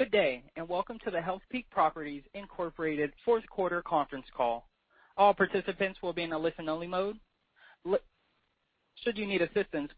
Good day. Welcome to the Healthpeak Properties Incorporated fourth quarter conference call. All participants will be in a listen only mode. Please note this event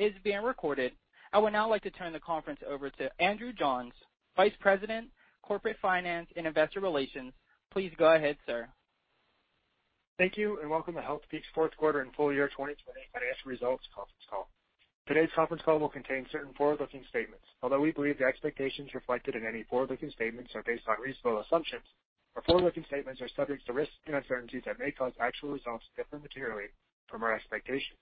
is being recorded. I would now like to turn the conference over to Andrew Johns, Vice President, Corporate Finance and Investor Relations. Please go ahead, sir. Thank you, and welcome to Healthpeak's fourth quarter and full year 2020 financial results conference call. Today's conference call will contain certain forward-looking statements. Although we believe the expectations reflected in any forward-looking statements are based on reasonable assumptions, our forward-looking statements are subject to risks and uncertainties that may cause actual results to differ materially from our expectations.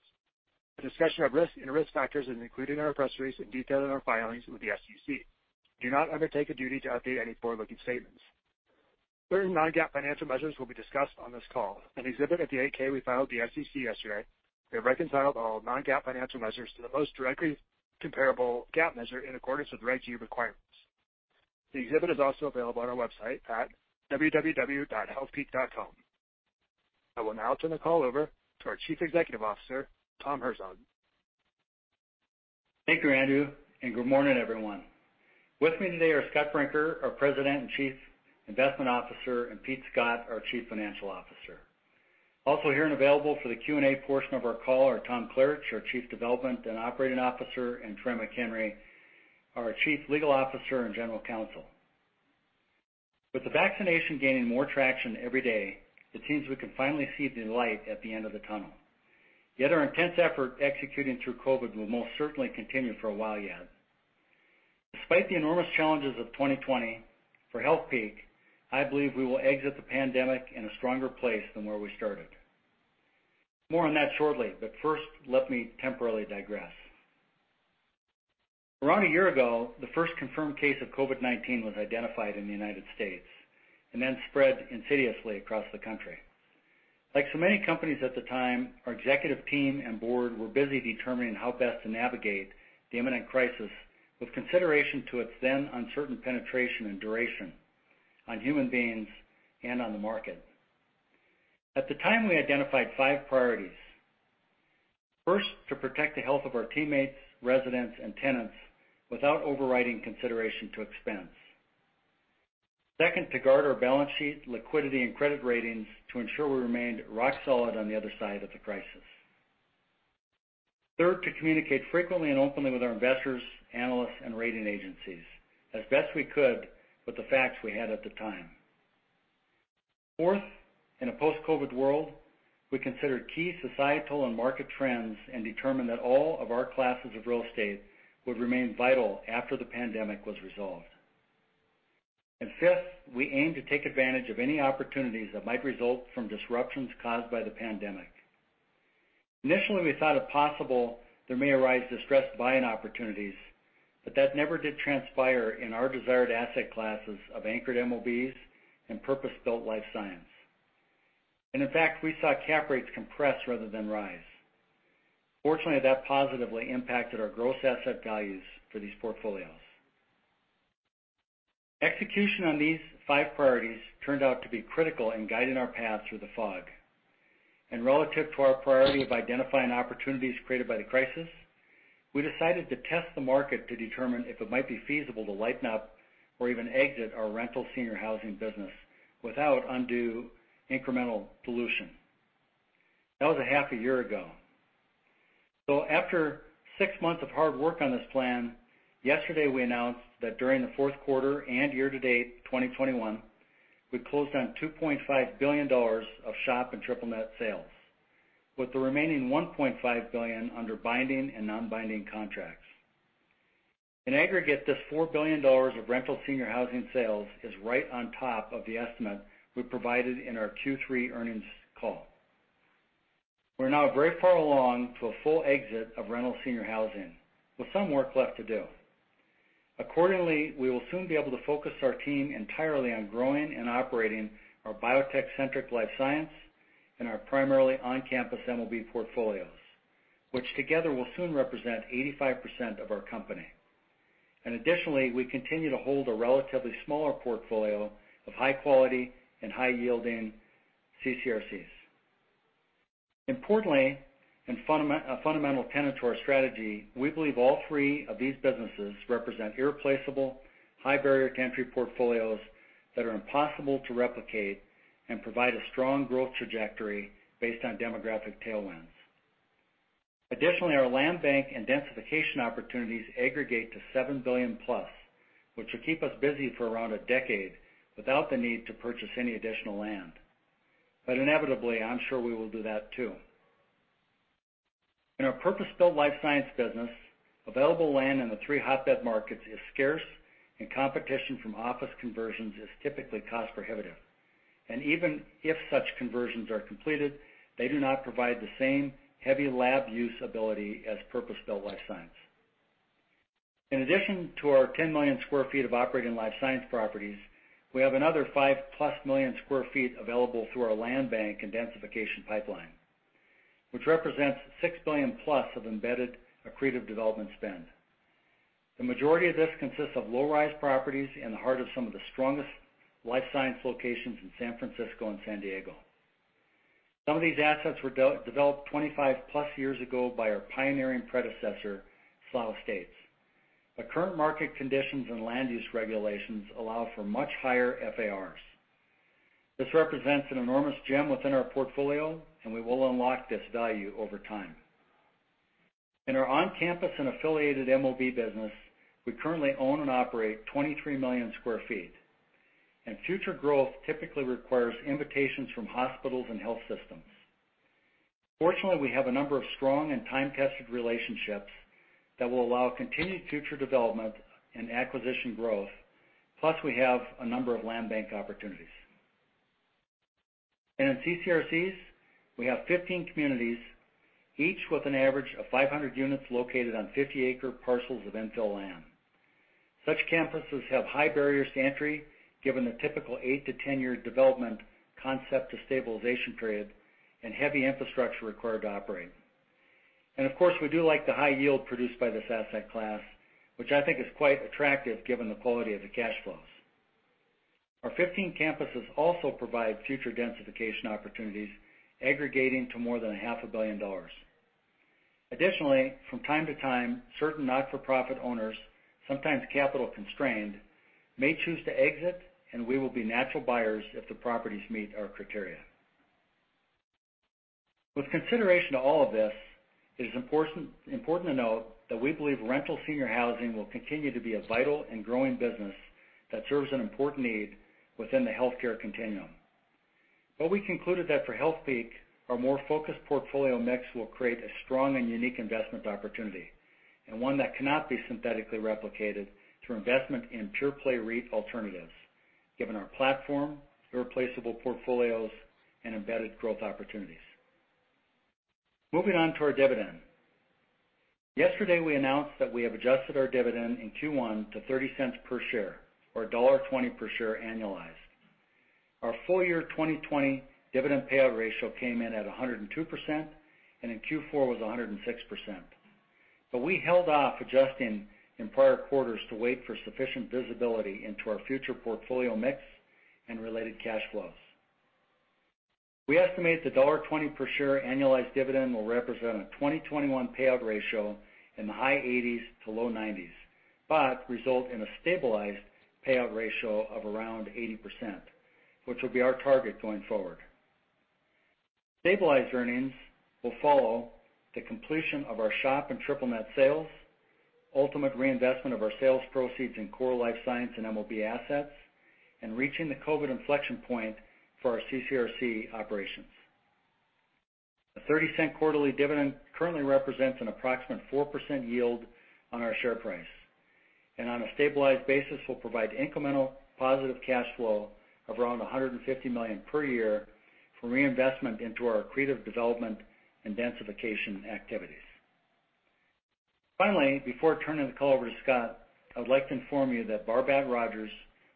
A discussion of risks and risk factors is included in our press release in detail in our filings with the SEC. We do not undertake a duty to update any forward-looking statements. Certain non-GAAP financial measures will be discussed on this call. An exhibit at the 8-K we filed with the SEC yesterday, we have reconciled all non-GAAP financial measures to the most directly comparable GAAP measure in accordance with SEC requirements. The exhibit is also available on our website at www.healthpeak.com. I will now turn the call over to our Chief Executive Officer, Tom Herzog. Thank you, Andrew, and good morning, everyone. With me today are Scott Brinker, our President and Chief Investment Officer, and Pete Scott, our Chief Financial Officer. Also here and available for the Q&A portion of our call are Tom Klaritch, our Chief Development and Operating Officer, and Troy McHenry, our Chief Legal Officer and General Counsel. With the vaccination gaining more traction every day, it seems we can finally see the light at the end of the tunnel. Yet our intense effort executing through COVID will most certainly continue for a while yet. Despite the enormous challenges of 2020 for Healthpeak, I believe we will exit the pandemic in a stronger place than where we started. More on that shortly, but first, let me temporarily digress. Around a year ago, the first confirmed case of COVID-19 was identified in the U.S. and then spread insidiously across the country. Like so many companies at the time, our executive team and Board were busy determining how best to navigate the imminent crisis with consideration to its then uncertain penetration and duration on human beings and on the market. At the time, we identified five priorities. First, to protect the health of our teammates, residents, and tenants without overriding consideration to expense. Second, to guard our balance sheet liquidity and credit ratings to ensure we remained rock solid on the other side of the crisis. Third, to communicate frequently and openly with our investors, analysts, and rating agencies as best we could with the facts we had at the time. Fourth, in a post-COVID world, we considered key societal and market trends and determined that all of our classes of real estate would remain vital after the pandemic was resolved. Fifth, we aim to take advantage of any opportunities that might result from disruptions caused by the pandemic. Initially, we thought if possible, there may arise distressed buying opportunities, but that never did transpire in our desired asset classes of anchored MOBs and purpose-built life science. In fact, we saw cap rates compress rather than rise. Fortunately, that positively impacted our gross asset values for these portfolios. Execution on these five priorities turned out to be critical in guiding our path through the fog. Relative to our priority of identifying opportunities created by the crisis, we decided to test the market to determine if it might be feasible to lighten up or even exit our rental senior housing business without undue incremental dilution. That was a half a year ago. After six months of hard work on this plan, yesterday we announced that during the fourth quarter and year to date 2021, we closed on $2.5 billion of SHOP and triple net sales, with the remaining $1.5 billion under binding and non-binding contracts. In aggregate, this $4 billion of rental senior housing sales is right on top of the estimate we provided in our Q3 earnings call. We are now very far along to a full exit of rental senior housing with some work left to do. Accordingly, we will soon be able to focus our team entirely on growing and operating our biotech-centric life science and our primarily on-campus MOB portfolios, which together will soon represent 85% of our company. Additionally, we continue to hold a relatively smaller portfolio of high quality and high yielding CCRCs. Importantly, a fundamental tenet to our strategy, we believe all three of these businesses represent irreplaceable high barrier to entry portfolios that are impossible to replicate and provide a strong growth trajectory based on demographic tailwinds. Additionally, our land bank and densification opportunities aggregate to $7 billion+, which will keep us busy for around a decade without the need to purchase any additional land. Inevitably, I'm sure we will do that, too. In our purpose-built life science business, available land in the three hotbed markets is scarce and competition from office conversions is typically cost prohibitive. Even if such conversions are completed, they do not provide the same heavy lab use ability as purpose-built life science. In addition to our 10 million sq ft of operating life science properties, we have another 5+ million sq ft available through our land bank and densification pipeline, which represents $6 billion+ of embedded accretive development spend. The majority of this consists of low-rise properties in the heart of some of the strongest life science locations in San Francisco and San Diego. Some of these assets were developed 25+ years ago by our pioneering predecessor, Slough Estates. The current market conditions and land use regulations allow for much higher FARs. This represents an enormous gem within our portfolio, and we will unlock this value over time. In our on-campus and affiliated MOB business, we currently own and operate 23 million sq ft, and future growth typically requires invitations from hospitals and health systems. Fortunately, we have a number of strong and time-tested relationships that will allow continued future development and acquisition growth, plus we have a number of land bank opportunities. In CCRCs, we have 15 communities, each with an average of 500 units located on 50-acre parcels of infill land. Such campuses have high barriers to entry, given the typical 8-10 year development concept to stabilization period and heavy infrastructure required to operate. Of course, we do like the high yield produced by this asset class, which I think is quite attractive given the quality of the cash flows. Our 15 campuses also provide future densification opportunities aggregating to more than a half a billion dollars. Additionally, from time to time, certain not-for-profit owners, sometimes capital constrained, may choose to exit, and we will be natural buyers if the properties meet our criteria. With consideration to all of this, it is important to note that we believe rental senior housing will continue to be a vital and growing business that serves an important need within the healthcare continuum. We concluded that for Healthpeak, our more focused portfolio mix will create a strong and unique investment opportunity, and one that cannot be synthetically replicated through investment in pure-play REIT alternatives, given our platform, irreplaceable portfolios, and embedded growth opportunities. Moving on to our dividend. Yesterday, we announced that we have adjusted our dividend in Q1 to $0.30 per share or $1.20 per share annualized. Our full-year 2020 dividend payout ratio came in at 102%, and in Q4 was 106%. We held off adjusting in prior quarters to wait for sufficient visibility into our future portfolio mix and related cash flows. We estimate the $1.20 per share annualized dividend will represent a 2021 payout ratio in the high 80s to low 90s, but result in a stabilized payout ratio of around 80%, which will be our target going forward. Stabilized earnings will follow the completion of our SHOP and triple net sales, ultimate reinvestment of our sales proceeds in core life science and MOB assets, and reaching the COVID inflection point for our CCRC operations. The $0.30 quarterly dividend currently represents an approximate 4% yield on our share price, and on a stabilized basis will provide incremental positive cash flow of around $150 million per year for reinvestment into our accretive development and densification activities. Finally, before turning the call over to Scott, I would like to inform you that Barbara Rogers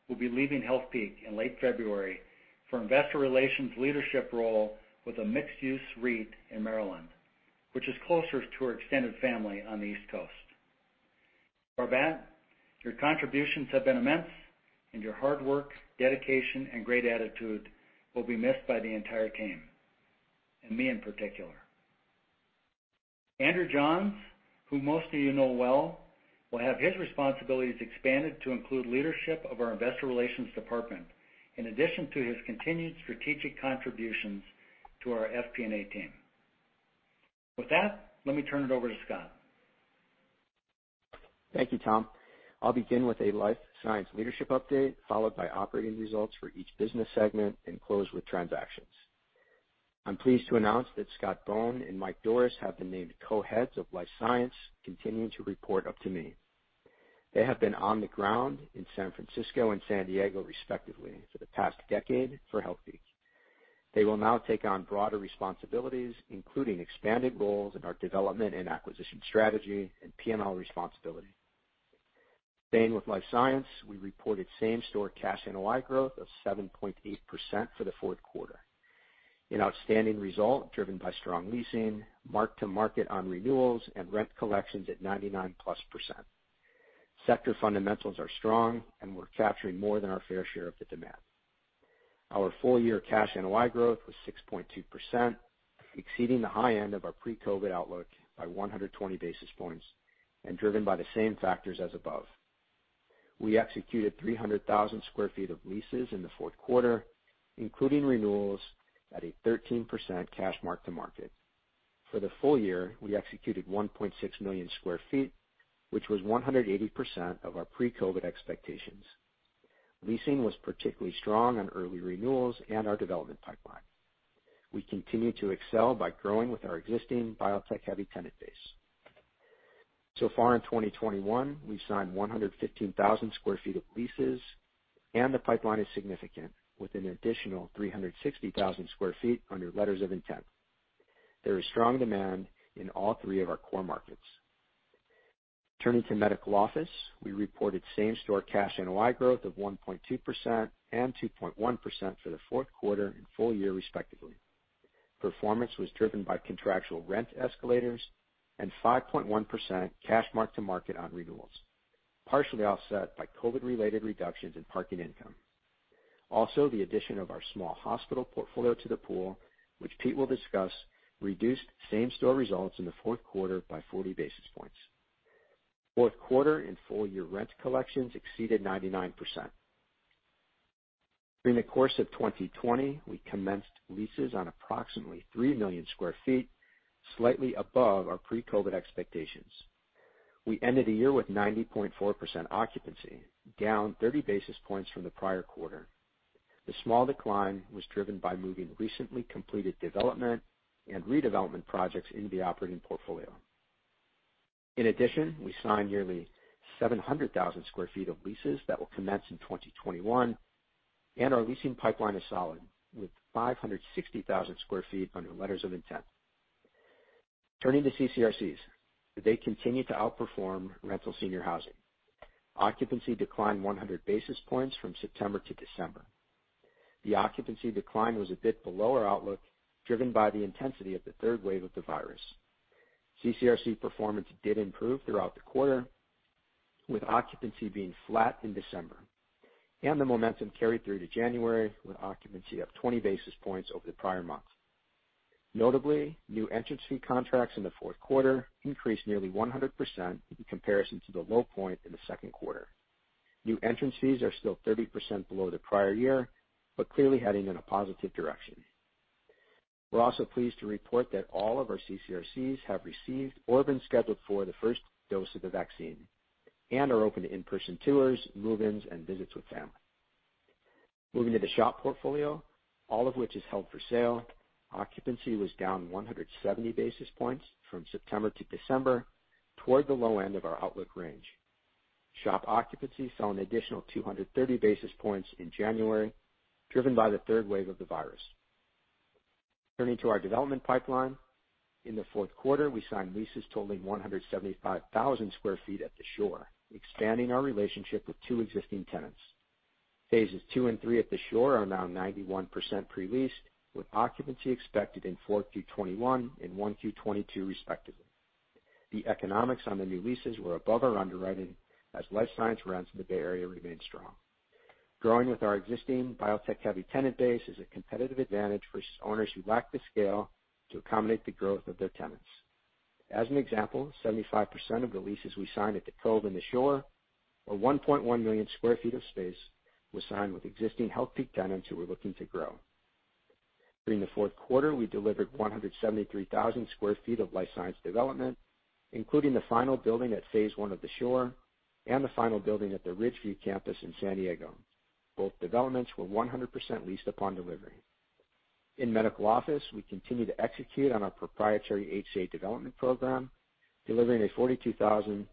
will be leaving Healthpeak in late February for investor relations leadership role with a mixed-use REIT in Maryland, which is closer to her extended family on the East Coast. Barbara, your contributions have been immense, and your hard work, dedication, and great attitude will be missed by the entire team, and me in particular. Andrew Johns, who most of you know well, will have his responsibilities expanded to include leadership of our investor relations department, in addition to his continued strategic contributions to our FP&A team. With that, let me turn it over to Scott. Thank you, Tom. I'll begin with a Life Science leadership update, followed by operating results for each business segment and close with transactions. I'm pleased to announce that Scott Bohn and Mike Dorris have been named co-heads of Life Science, continuing to report up to me. They have been on the ground in San Francisco and San Diego respectively for the past decade for Healthpeak. They will now take on broader responsibilities, including expanded roles in our development and acquisition strategy and P&L responsibility. Staying with Life Science, we reported same-store cash NOI growth of 7.8% for the fourth quarter. An outstanding result driven by strong leasing, mark-to-market on renewals, and rent collections at 99%+. Sector fundamentals are strong, we're capturing more than our fair share of the demand. Our full-year cash NOI growth was 6.2%, exceeding the high end of our pre-COVID outlook by 120 basis points and driven by the same factors as above. We executed 300,000 square feet of leases in the fourth quarter, including renewals at a 13% cash mark-to-market. For the full year, we executed 1.6 million square feet, which was 180% of our pre-COVID expectations. Leasing was particularly strong on early renewals and our development pipeline. We continue to excel by growing with our existing biotech-heavy tenant base. So far in 2021, we've signed 115,000 square feet of leases, and the pipeline is significant, with an additional 360,000 square feet under letters of intent. There is strong demand in all three of our core markets. Turning to medical office, we reported same-store cash NOI growth of 1.2% and 2.1% for the fourth quarter and full year respectively. Performance was driven by contractual rent escalators and 5.1% cash mark-to-market on renewals, partially offset by COVID-related reductions in parking income. The addition of our small hospital portfolio to the pool, which Pete will discuss, reduced same-store results in the fourth quarter by 40 basis points. Fourth quarter and full-year rent collections exceeded 99%. During the course of 2020, we commenced leases on approximately 3 million square feet, slightly above our pre-COVID expectations. We ended the year with 90.4% occupancy, down 30 basis points from the prior quarter. The small decline was driven by moving recently completed development and redevelopment projects into the operating portfolio. We signed nearly 700,000 square feet of leases that will commence in 2021, and our leasing pipeline is solid, with 560,000 square feet under letters of intent. Turning to CCRCs. They continue to outperform rental senior housing. Occupancy declined 100 basis points from September to December. The occupancy decline was a bit below our outlook, driven by the intensity of the third wave of the virus. CCRC performance did improve throughout the quarter, with occupancy being flat in December. The momentum carried through to January, with occupancy up 20 basis points over the prior month. Notably, new entrance fee contracts in the fourth quarter increased nearly 100% in comparison to the low point in the second quarter. New entrance fees are still 30% below the prior year. Clearly heading in a positive direction. We're also pleased to report that all of our CCRCs have received or been scheduled for the first dose of the vaccine and are open to in-person tours, move-ins, and visits with family. Moving to the SHOP portfolio, all of which is held for sale, occupancy was down 170 basis points from September to December toward the low end of our outlook range. SHOP occupancy fell an additional 230 basis points in January, driven by the third wave of the virus. Turning to our development pipeline. In the fourth quarter, we signed leases totaling 175,000 sq ft at The Shore, expanding our relationship with two existing tenants. Phases two and three at The Shore are now 91% pre-leased, with occupancy expected in 4Q 2021 and 1Q 2022 respectively. The economics on the new leases were above our underwriting as life science rents in the Bay Area remained strong. Growing with our existing biotech-heavy tenant base is a competitive advantage versus owners who lack the scale to accommodate the growth of their tenants. As an example, 75% of the leases we signed at The Cove and The Shore, or 1.1 million sq ft of space, were signed with existing Healthpeak tenants who were looking to grow. During the fourth quarter, we delivered 173,000 sq ft of life science development, including the final building at phase one of The Shore and the final building at the Ridgeview campus in San Diego. Both developments were 100% leased upon delivery. In medical office, we continue to execute on our proprietary HCA development program, delivering a 42,000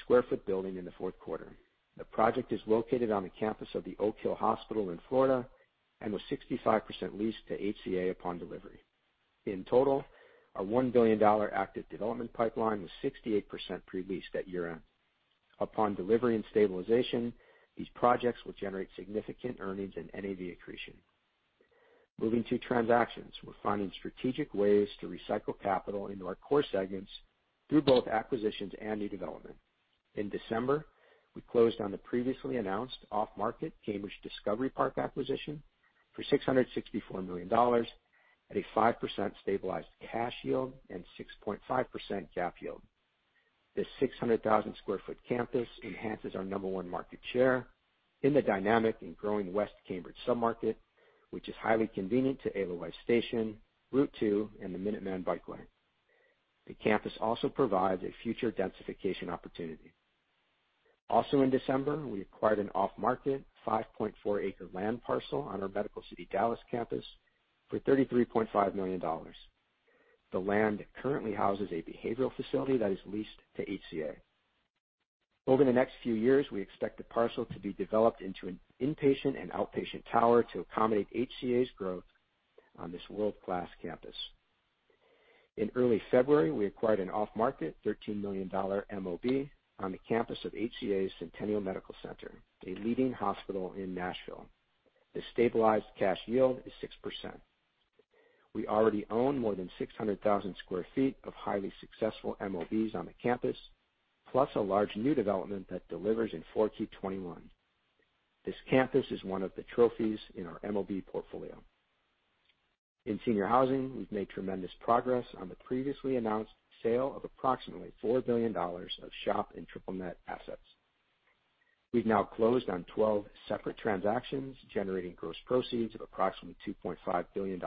sq ft building in the fourth quarter. The project is located on the campus of the Oak Hill Hospital in Florida and was 65% leased to HCA upon delivery. In total, our $1 billion active development pipeline was 68% pre-leased at year-end. Upon delivery and stabilization, these projects will generate significant earnings and NAV accretion. Moving to transactions. We're finding strategic ways to recycle capital into our core segments through both acquisitions and new development. In December, we closed on the previously announced off-market Cambridge Discovery Park acquisition for $664 million at a 5% stabilized cash yield and 6.5% cap yield. This 600,000 square foot campus enhances our number one market share in the dynamic and growing West Cambridge sub-market, which is highly convenient to Alewife Station, Route 2, and the Minuteman Bikeway. The campus also provides a future densification opportunity. Also in December, we acquired an off-market 5.4 acre land parcel on our Medical City Dallas campus for $33.5 million. The land currently houses a behavioral facility that is leased to HCA. Over the next few years, we expect the parcel to be developed into an inpatient and outpatient tower to accommodate HCA's growth on this world-class campus. In early February, we acquired an off-market $13 million MOB on the campus of HCA's Centennial Medical Center, a leading hospital in Nashville. The stabilized cash yield is 6%. We already own more than 600,000 square feet of highly successful MOBs on the campus, plus a large new development that delivers in 4Q21. This campus is one of the trophies in our MOB portfolio. In senior housing, we've made tremendous progress on the previously announced sale of approximately $4 billion of SHOP and triple net assets. We've now closed on 12 separate transactions, generating gross proceeds of approximately $2.5 billion.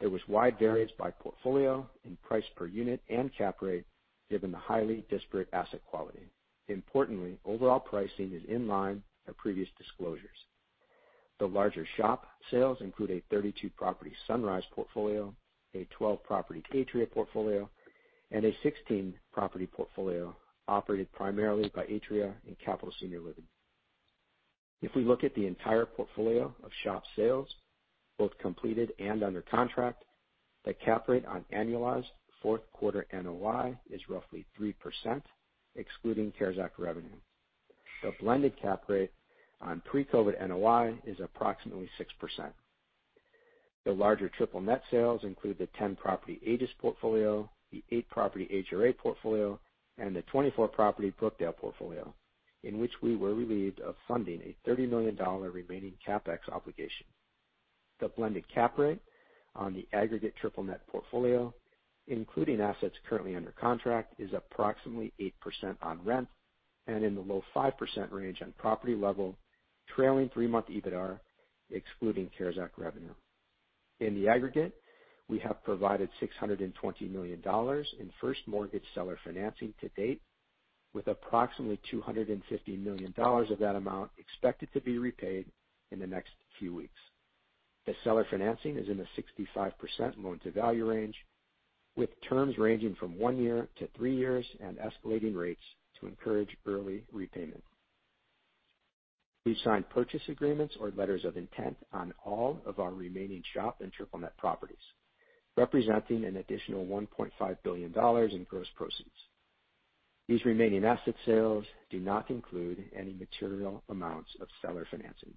There was wide variance by portfolio in price per unit and cap rate, given the highly disparate asset quality. Importantly, overall pricing is in line with our previous disclosures. The larger SHOP sales include a 32 property Sunrise portfolio, a 12 property Atria portfolio, and a 16 property portfolio operated primarily by Atria and Capital Senior Living. If we look at the entire portfolio of SHOP sales, both completed and under contract, the cap rate on annualized fourth quarter NOI is roughly 3%, excluding CARES Act revenue. The blended cap rate on pre-COVID NOI is approximately 6%. The larger triple net sales include the 10 property Aegis portfolio, the eight property HRA portfolio, and the 24 property Brookdale portfolio, in which we were relieved of funding a $30 million remaining CapEx obligation. The blended cap rate on the aggregate triple net portfolio, including assets currently under contract, is approximately 8% on rent and in the low 5% range on property level trailing three-month EBITDAR, excluding CARES Act revenue. In the aggregate, we have provided $620 million in first mortgage seller financing to date, with approximately $250 million of that amount expected to be repaid in the next few weeks. The seller financing is in the 65% loan-to-value range, with terms ranging from one year to three years and escalating rates to encourage early repayment. We signed purchase agreements or letters of intent on all of our remaining SHOP and triple-net properties, representing an additional $1.5 billion in gross proceeds. These remaining asset sales do not include any material amounts of seller financing.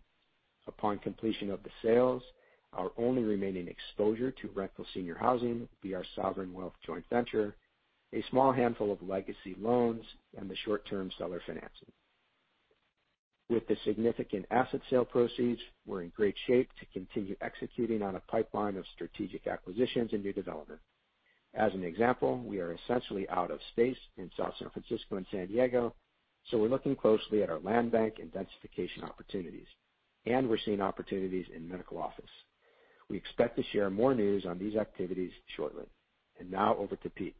Upon completion of the sales, our only remaining exposure to rental senior housing will be our sovereign wealth joint venture, a small handful of legacy loans, and the short-term seller financing. With the significant asset sale proceeds, we're in great shape to continue executing on a pipeline of strategic acquisitions and new development. As an example, we are essentially out of space in South San Francisco and San Diego, so we're looking closely at our land bank in densification opportunities, and we're seeing opportunities in medical office. We expect to share more news on these activities shortly. Now over to Pete.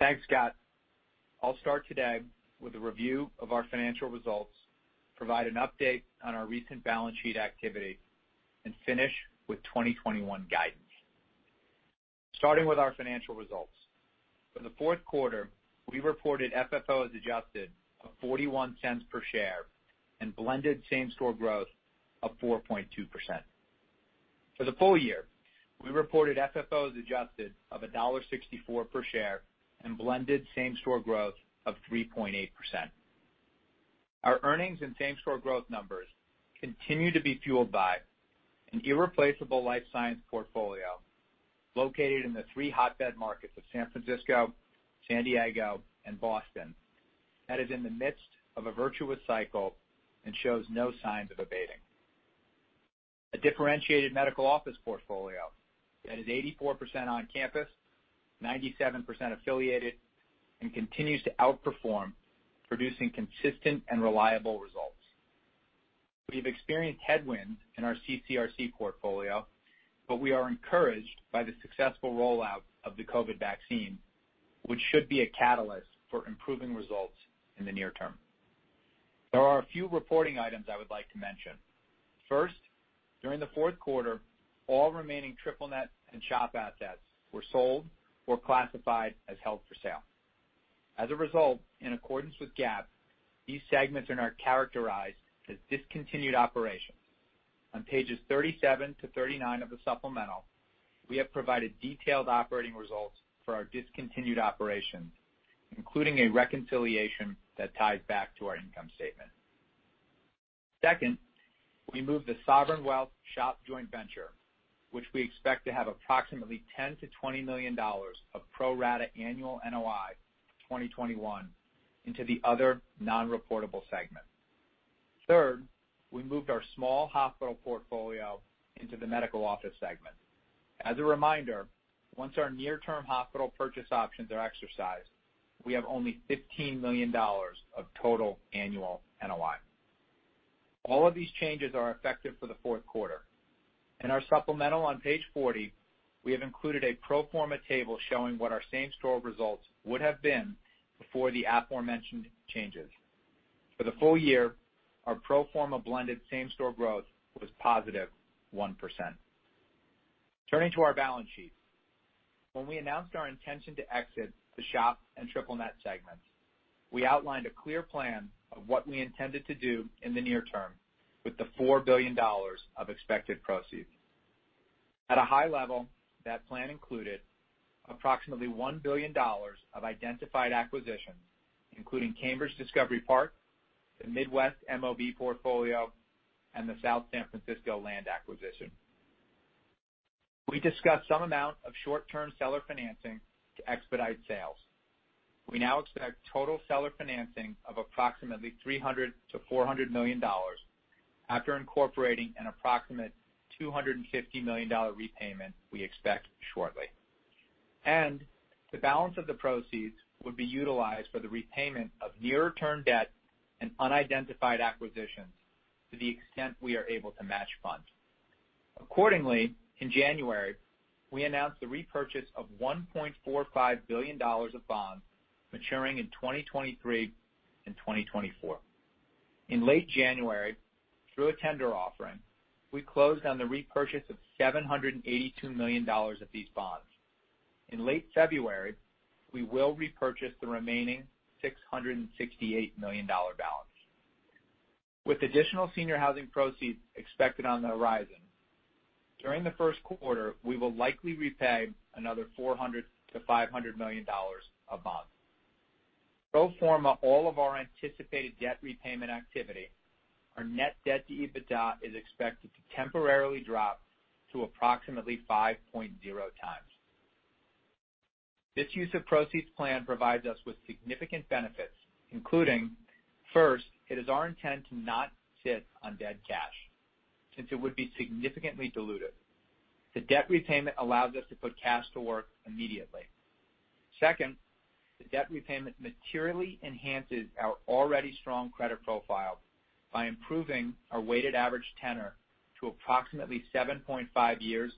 Thanks, Scott. I'll start today with a review of our financial results, provide an update on our recent balance sheet activity, and finish with 2021 guidance. Starting with our financial results. For the fourth quarter, we reported FFO as adjusted of $0.41 per share and blended same-store growth of 4.2%. For the full year, we reported FFO as adjusted of $1.64 per share and blended same-store growth of 3.8%. Our earnings and same-store growth numbers continue to be fueled by an irreplaceable life science portfolio located in the three hotbed markets of San Francisco, San Diego, and Boston, that is in the midst of a virtuous cycle and shows no signs of abating. A differentiated medical office portfolio that is 84% on campus, 97% affiliated, and continues to outperform, producing consistent and reliable results. We've experienced headwinds in our CCRC portfolio, but we are encouraged by the successful rollout of the COVID vaccine, which should be a catalyst for improving results in the near term. There are a few reporting items I would like to mention. First, during the fourth quarter, all remaining triple net and SHOP assets were sold or classified as held for sale. As a result, in accordance with GAAP, these segments are now characterized as discontinued operations. On pages 37 to 39 of the supplemental, we have provided detailed operating results for our discontinued operations, including a reconciliation that ties back to our income statement. Second, we moved the sovereign wealth SHOP joint venture, which we expect to have approximately $10 million-$20 million of pro rata annual NOI 2021 into the other non-reportable segment. Third, we moved our small hospital portfolio into the medical office segment. As a reminder, once our near-term hospital purchase options are exercised, we have only $15 million of total annual NOI. All of these changes are effective for the fourth quarter. In our supplemental on page 40, we have included a pro forma table showing what our same-store results would have been before the aforementioned changes. For the full year, our pro forma blended same-store growth was positive 1%. Turning to our balance sheet. When we announced our intention to exit the SHOP and triple net segments, we outlined a clear plan of what we intended to do in the near term with the $4 billion of expected proceeds. At a high level, that plan included approximately $1 billion of identified acquisitions, including Cambridge Discovery Park, the Midwest MOB portfolio, and the South San Francisco land acquisition. We discussed some amount of short-term seller financing to expedite sales. We now expect total seller financing of approximately $300 million to $400 million after incorporating an approximate $250 million repayment we expect shortly. The balance of the proceeds would be utilized for the repayment of near-term debt and unidentified acquisitions to the extent we are able to match funds. Accordingly, in January, we announced the repurchase of $1.45 billion of bonds maturing in 2023 and 2024. In late January, through a tender offering, we closed on the repurchase of $782 million of these bonds. In late February, we will repurchase the remaining $668 million balance. With additional senior housing proceeds expected on the horizon, during the first quarter, we will likely repay another $400 million to $500 million of bonds. Pro forma all of our anticipated debt repayment activity, our net debt to EBITDA is expected to temporarily drop to approximately 5.0x. This use of proceeds plan provides us with significant benefits, including, first, it is our intent to not sit on dead cash, since it would be significantly diluted. The debt repayment allows us to put cash to work immediately. Second, the debt repayment materially enhances our already strong credit profile by improving our weighted average tenor to approximately 7.5 years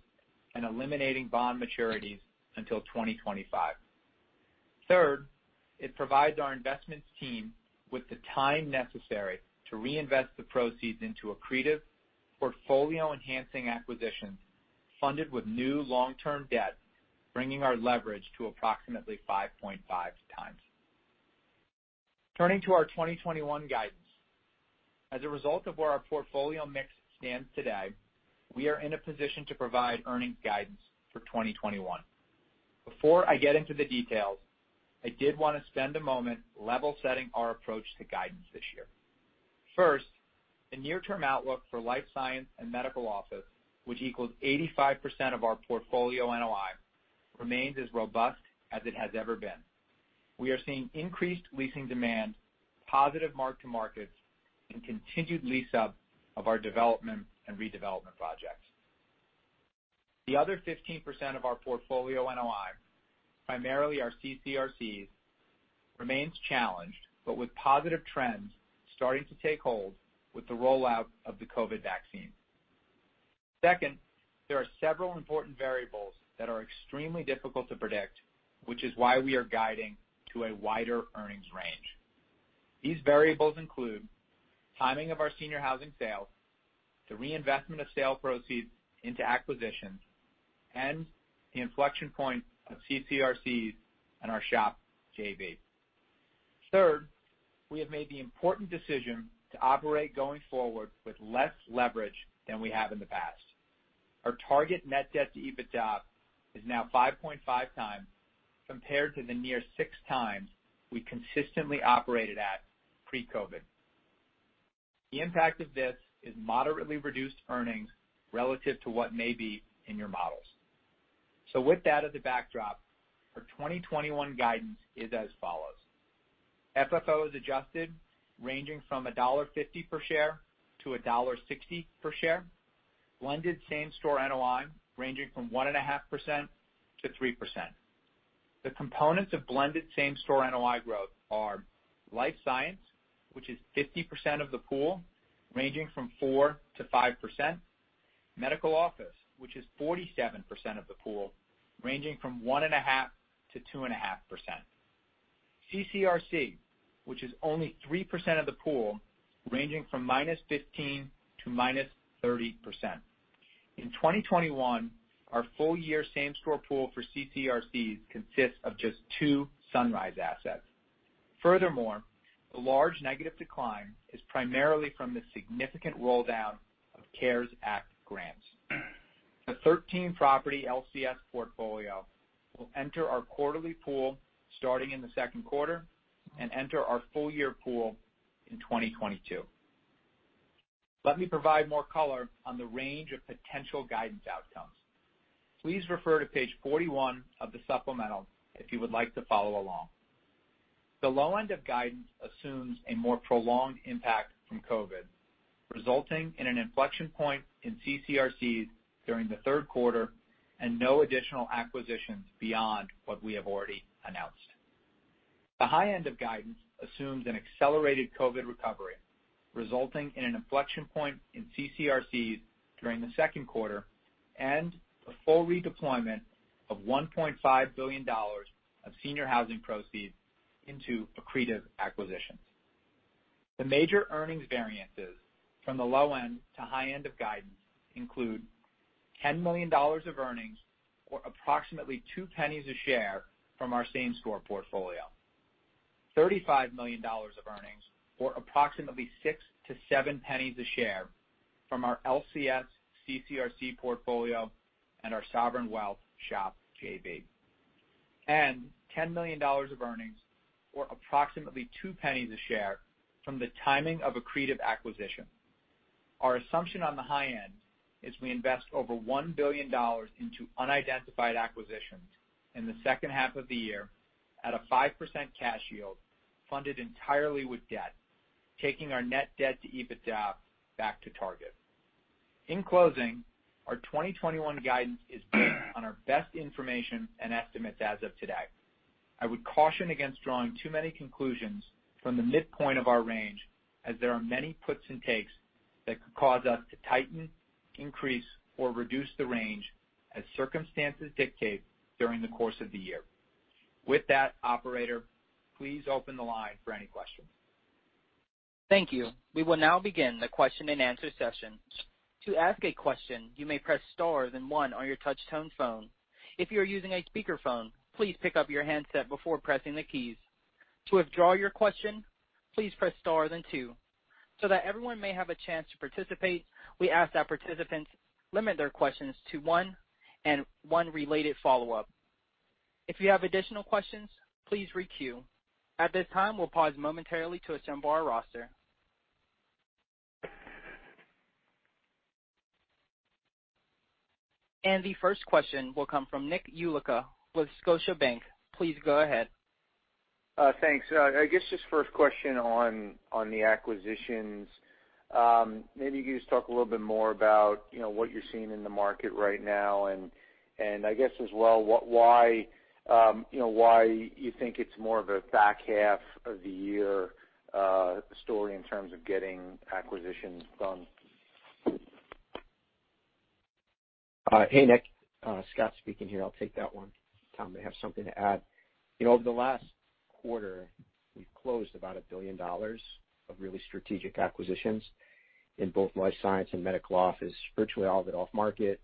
and eliminating bond maturities until 2025. Third, it provides our investments team with the time necessary to reinvest the proceeds into accretive, portfolio-enhancing acquisitions funded with new long-term debt, bringing our leverage to approximately 5.5x. Turning to our 2021 guidance. As a result of where our portfolio mix stands today, we are in a position to provide earnings guidance for 2021. Before I get into the details, I did want to spend a moment level setting our approach to guidance this year. The near-term outlook for life science and medical office, which equals 85% of our portfolio NOI, remains as robust as it has ever been. We are seeing increased leasing demand, positive mark-to-markets, and continued lease-up of our development and redevelopment projects. The other 15% of our portfolio NOI, primarily our CCRCs, remains challenged, with positive trends starting to take hold with the rollout of the COVID vaccine. There are several important variables that are extremely difficult to predict, which is why we are guiding to a wider earnings range. These variables include timing of our senior housing sales, the reinvestment of sale proceeds into acquisitions, and the inflection point of CCRCs and our SHOP JV. We have made the important decision to operate going forward with less leverage than we have in the past. Our target net debt to EBITDA is now 5.5x, compared to the near 6x we consistently operated at pre-COVID. The impact of this is moderately reduced earnings relative to what may be in your models. Our 2021 guidance is as follows. FFO as adjusted ranging from $1.50-$1.60 per share. Blended same store NOI ranging from 1.5%-3%. The components of blended same store NOI growth are life science, which is 50% of the pool, ranging from 4%-5%. Medical office, which is 47% of the pool, ranging from 1.5%-2.5%. CCRC, which is only 3% of the pool, ranging from -15% to -30%. In 2021, our full year same store pool for CCRCs consists of just two Sunrise assets. Furthermore, the large negative decline is primarily from the significant rolldown of CARES Act grants. The 13 property LCS portfolio will enter our quarterly pool starting in the second quarter and enter our full year pool in 2022. Let me provide more color on the range of potential guidance outcomes. Please refer to page 41 of the supplemental if you would like to follow along. The low end of guidance assumes a more prolonged impact from COVID, resulting in an inflection point in CCRCs during the third quarter and no additional acquisitions beyond what we have already announced. The high end of guidance assumes an accelerated COVID recovery, resulting in an inflection point in CCRCs during the second quarter and the full redeployment of $1.5 billion of senior housing proceeds into accretive acquisitions. The major earnings variances from the low end to high end of guidance include $10 million of earnings or approximately $0.02 a share from our same store portfolio. $35 million of earnings or approximately $0.06-$0.07 a share from our LCS CCRC portfolio and our Sovereign Wealth SHOP JV. $10 million of earnings or approximately $0.02 a share from the timing of accretive acquisition. Our assumption on the high end is we invest over $1 billion into unidentified acquisitions in the second half of the year at a 5% cash yield funded entirely with debt, taking our net debt to EBITDA back to target. In closing, our 2021 guidance is based on our best information and estimates as of today. I would caution against drawing too many conclusions from the midpoint of our range as there are many puts and takes that could cause us to tighten, increase, or reduce the range as circumstances dictate during the course of the year. With that, operator, please open the line for any questions. Thank you. We will now begin the question-and-answer session. That everyone may have a chance to participate, we ask that participants limit their questions to one and one related follow-up. If you have additional questions, please re-queue. At this time, we'll pause momentarily to assemble our roster. The first question will come from Nick Yulico with Scotiabank. Please go ahead. Thanks. I guess just first question on the acquisitions. Maybe you could just talk a little bit more about what you're seeing in the market right now, and I guess as well, why you think it's more of a back half of the year story in terms of getting acquisitions done? Hey, Nick. Scott speaking here. I'll take that one. Tom may have something to add. Over the last quarter, we've closed about $1 billion of really strategic acquisitions in both life science and medical office, virtually all of it off-market.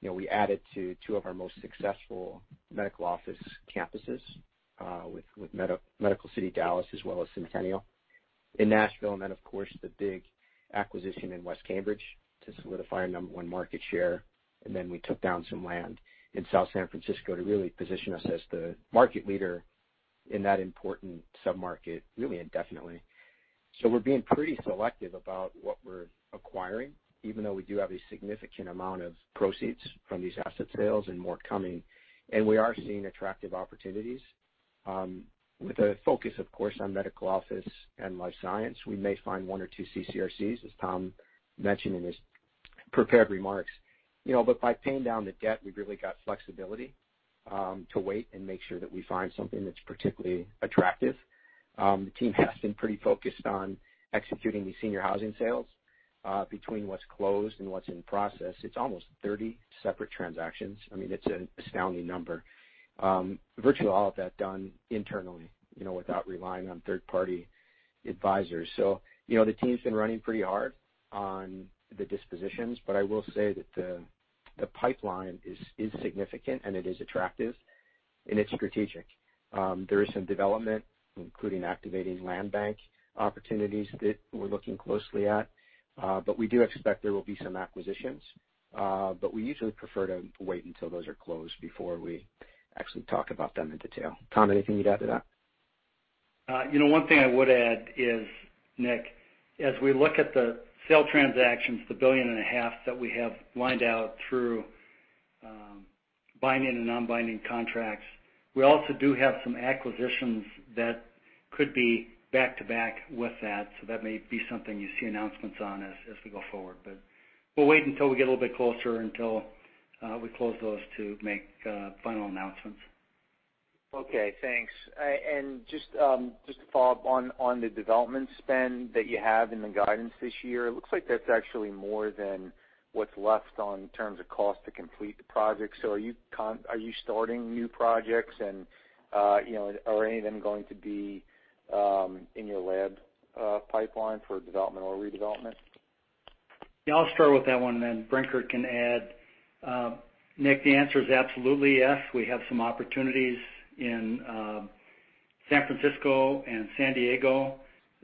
We added to two of our most successful medical office campuses, with Medical City Dallas, as well as Centennial in Nashville. Then, of course, the big acquisition in West Cambridge to solidify our number one market share. Then we took down some land in South San Francisco to really position us as the market leader in that important sub-market, really indefinitely. We're being pretty selective about what we're acquiring, even though we do have a significant amount of proceeds from these asset sales and more coming. We are seeing attractive opportunities, with a focus, of course, on medical office and life science. We may find one or two CCRCs, as Tom mentioned in his prepared remarks. By paying down the debt, we've really got flexibility to wait and make sure that we find something that's particularly attractive. The team has been pretty focused on executing the senior housing sales. Between what's closed and what's in process, it's almost 30 separate transactions. It's an astounding number. Virtually all of that done internally, without relying on third-party advisors. The team's been running pretty hard on the dispositions, but I will say that the pipeline is significant, and it is attractive, and it's strategic. There is some development, including activating land bank opportunities that we're looking closely at. We do expect there will be some acquisitions. We usually prefer to wait until those are closed before we actually talk about them in detail. Tom, anything you'd add to that? One thing I would add is, Nick, as we look at the sale transactions, the billion and a half that we have lined out through binding and non-binding contracts, we also do have some acquisitions that could be back-to-back with that. That may be something you see announcements on as we go forward. We'll wait until we get a little bit closer until we close those to make final announcements. Okay, thanks. Just to follow up on the development spend that you have in the guidance this year, it looks like that's actually more than what's left on in terms of cost to complete the project. Are you starting new projects, and are any of them going to be in your lab pipeline for development or redevelopment? I'll start with that one, and then Brinker can add. Nick, the answer is absolutely yes. We have some opportunities in San Francisco and San Diego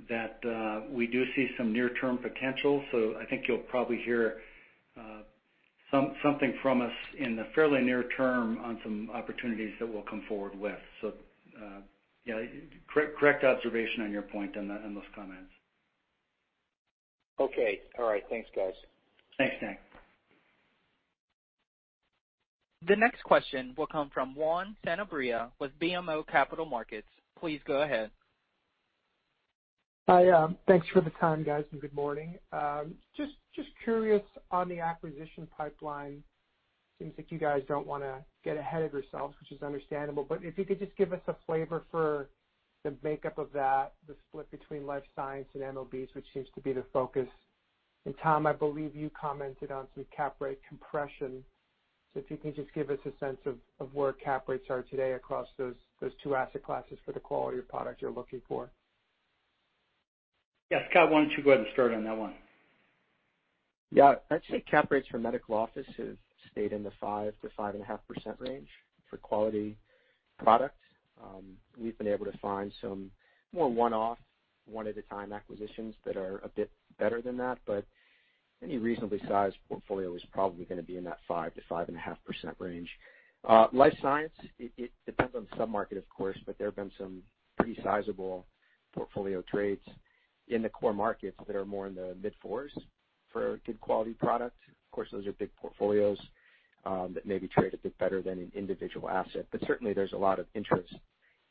that we do see some near-term potential, so I think you'll probably hear something from us in the fairly near term on some opportunities that we'll come forward with. Correct observation on your point on those comments. Okay. All right. Thanks, guys. Thanks, Nick. The next question will come from Juan Sanabria with BMO Capital Markets. Please go ahead. Hi. Thanks for the time, guys, and good morning. Just curious on the acquisition pipeline. Seems like you guys don't want to get ahead of yourselves, which is understandable, but if you could just give us a flavor for the makeup of that, the split between life science and MOBs, which seems to be the focus. Tom, I believe you commented on some cap rate compression, so if you could just give us a sense of where cap rates are today across those two asset classes for the quality of product you're looking for. Yes. Scott, why don't you go ahead and start on that one? Yeah. I'd say cap rates for medical office have stayed in the 5%-5.5% range for quality product. We've been able to find some more one-off, one-at-a-time acquisitions that are a bit better than that, but any reasonably sized portfolio is probably going to be in that 5%-5.5% range. Life science, it depends on the sub-market, of course, but there have been some pretty sizable portfolio trades in the core markets that are more in the mid-4s for a good quality product. Of course, those are big portfolios that maybe trade a bit better than an individual asset. Certainly, there's a lot of interest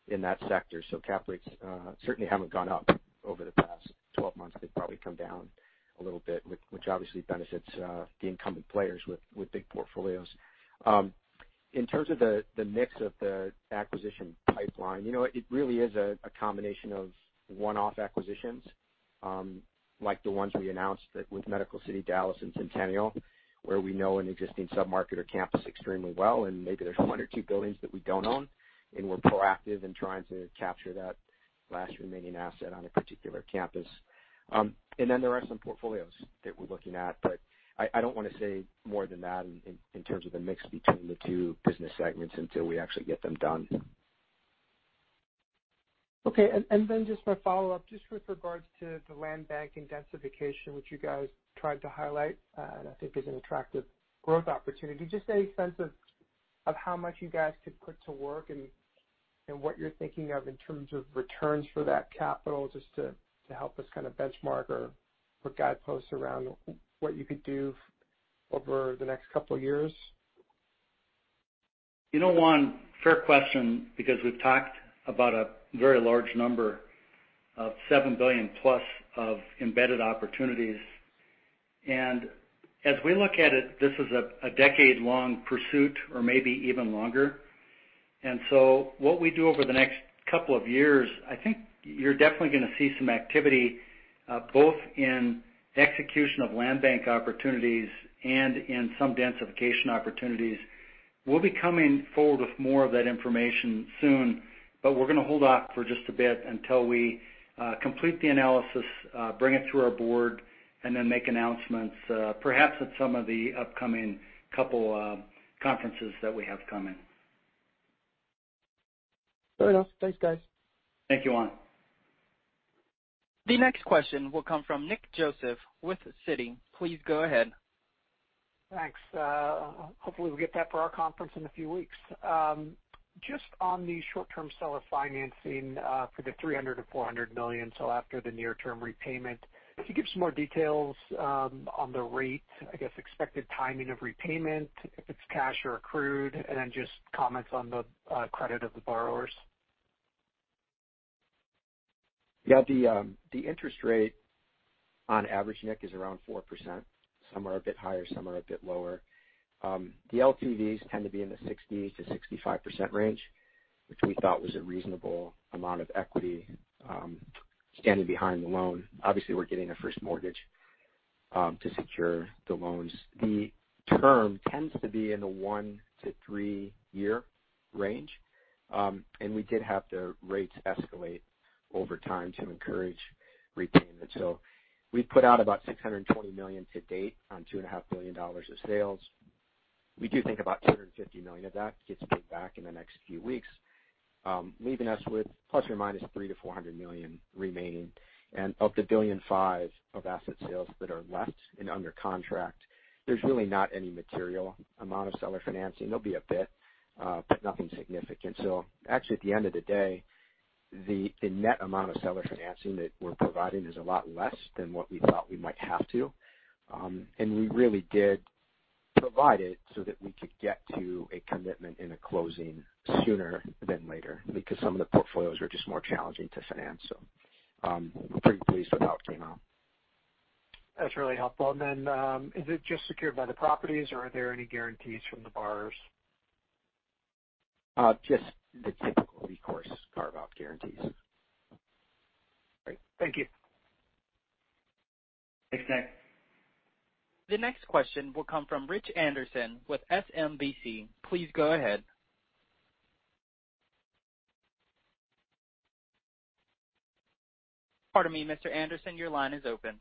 in that sector, so cap rates certainly haven't gone up over the past 12 months. They've probably come down a little bit, which obviously benefits the incumbent players with big portfolios. In terms of the mix of the acquisition pipeline, it really is a combination of one-off acquisitions, like the ones we announced with Medical City Dallas and Centennial, where we know an existing sub-market or campus extremely well, and maybe there's one or two buildings that we don't own, and we're proactive in trying to capture that last remaining asset on a particular campus. There are some portfolios that we're looking at, but I don't want to say more than that in terms of the mix between the two business segments until we actually get them done. Okay. Just my follow-up, just with regards to the land bank intensification, which you guys tried to highlight, and I think is an attractive growth opportunity. Just any sense of how much you guys could put to work and what you're thinking of in terms of returns for that capital, just to help us kind of benchmark or put guideposts around what you could do over the next couple of years? Juan, fair question, because we've talked about a very large number of $7 billion+ of embedded opportunities. As we look at it, this is a decade-long pursuit or maybe even longer. What we do over the next couple of years, I think you're definitely going to see some activity, both in execution of land bank opportunities and in some densification opportunities. We'll be coming forward with more of that information soon, but we're going to hold off for just a bit until we complete the analysis, bring it to our board, and then make announcements, perhaps at some of the upcoming couple of conferences that we have coming. Fair enough. Thanks, guys. Thank you, Juan. The next question will come from Nicholas Joseph with Citi. Please go ahead. Thanks. Hopefully, we'll get that for our conference in a few weeks. Just on the short-term seller financing for the $300 million-$400 million, after the near-term repayment, if you could give some more details on the rate, I guess, expected timing of repayment, if it's cash or accrued, then just comments on the credit of the borrowers. Yeah. The interest rate on average, Nick, is around 4%. Some are a bit higher, some are a bit lower. The LTVs tend to be in the 60%-65% range, which we thought was a reasonable amount of equity standing behind the loan. Obviously, we're getting a first mortgage to secure the loans. The term tends to be in the one to three-year range, and we did have the rates escalate over time to encourage repayment. We've put out about $620 million to date on $2.5 billion of sales. We do think about $250 million of that gets paid back in the next few weeks, leaving us with ±$300 million-$400 million remaining. Of the billion and a half of asset sales that are left and under contract, there's really not any material amount of seller financing. There'll be a bit, but nothing significant. Actually, at the end of the day, the net amount of seller financing that we're providing is a lot less than what we thought we might have to. We really did provide it so that we could get to a commitment and a closing sooner than later because some of the portfolios were just more challenging to finance. I'm pretty pleased with how it came out. That's really helpful. Is it just secured by the properties, or are there any guarantees from the borrowers? Just the typical recourse carve-out guarantees. Great. Thank you. Thanks, Nick. The next question will come from Richard Anderson with SMBC. Please go ahead. Pardon me, Mr. Anderson, your line is open.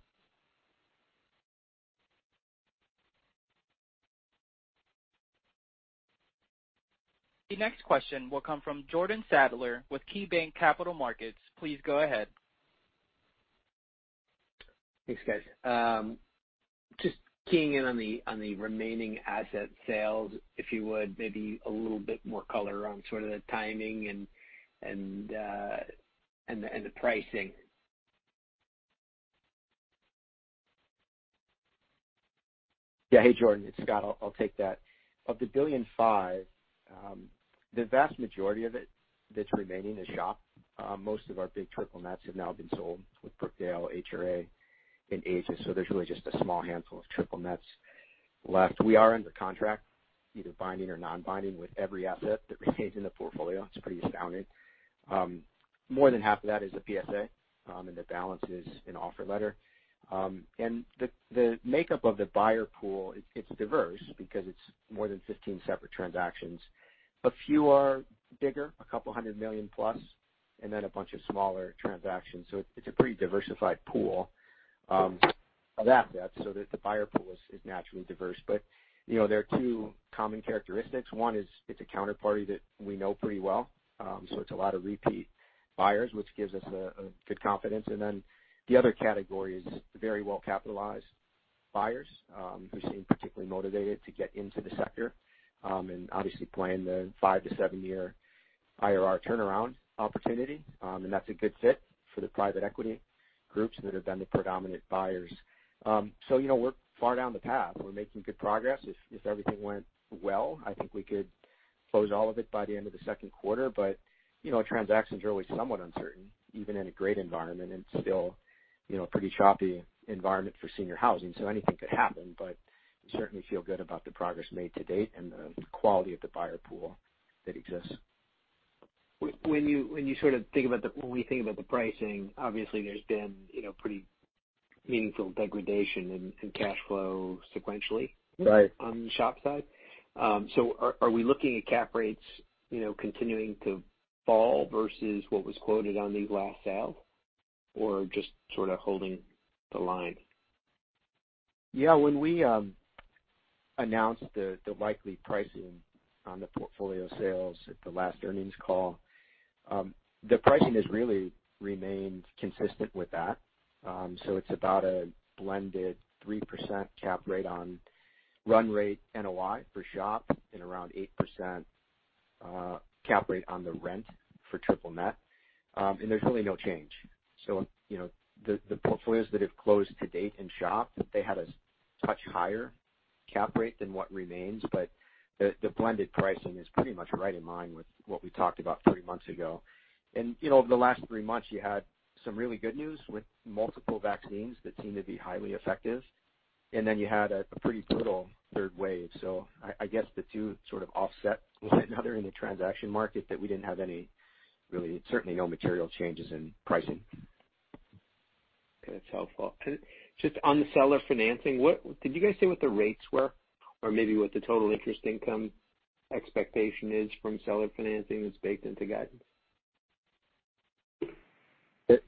The next question will come from Jordan Sadler with KeyBanc Capital Markets. Please go ahead. Thanks, guys. Just keying in on the remaining asset sales, if you would, maybe a little bit more color around sort of the timing and the pricing. Yeah. Hey, Jordan, it's Scott. I'll take that. Of the $1.5 billion, the vast majority of it that's remaining is SHOP. Most of our big triple nets have now been sold with Brookdale, HRA, and Aegis. There's really just a small handful of triple nets left. We are under contract, either binding or non-binding, with every asset that remains in the portfolio. It's pretty astounding. More than half of that is a PSA, and the balance is an offer letter. The makeup of the buyer pool, it's diverse because it's more than 15 separate transactions. A few are bigger, $200 million+, and then a bunch of smaller transactions. It's a pretty diversified pool of assets, so that the buyer pool is naturally diverse. There are two common characteristics. One is it's a counterparty that we know pretty well. It's a lot of repeat buyers, which gives us good confidence. Then the other category is very well-capitalized buyers who seem particularly motivated to get into the sector, and obviously playing the five to seven year IRR turnaround opportunity. That's a good fit for the private equity groups that have been the predominant buyers. We're far down the path. We're making good progress. If everything went well, I think we could close all of it by the end of the second quarter. Transactions are always somewhat uncertain, even in a great environment, and still a pretty choppy environment for senior housing. Anything could happen, but we certainly feel good about the progress made to date and the quality of the buyer pool that exists. When we think about the pricing, obviously there's been pretty meaningful degradation in cash flow sequentially on the SHOP side. Are we looking at cap rates continuing to fall versus what was quoted on these last sales, or just sort of holding the line? Yeah. When we announced the likely pricing on the portfolio sales at the last earnings call, the pricing has really remained consistent with that. It's about a blended 3% cap rate on run rate NOI for SHOP and around 8% cap rate on the rent for triple net. There's really no change. The portfolios that have closed to date in SHOP, they had a touch higher cap rate than what remains, but the blended pricing is pretty much right in line with what we talked about three months ago. The last three months, you had some really good news with multiple vaccines that seem to be highly effective, and then you had a pretty brutal third wave. I guess the two sort of offset one another in the transaction market that we didn't have any, really, certainly no material changes in pricing. Okay. That's helpful. Just on the seller financing, did you guys say what the rates were? Maybe what the total interest income expectation is from seller financing that's baked into guidance?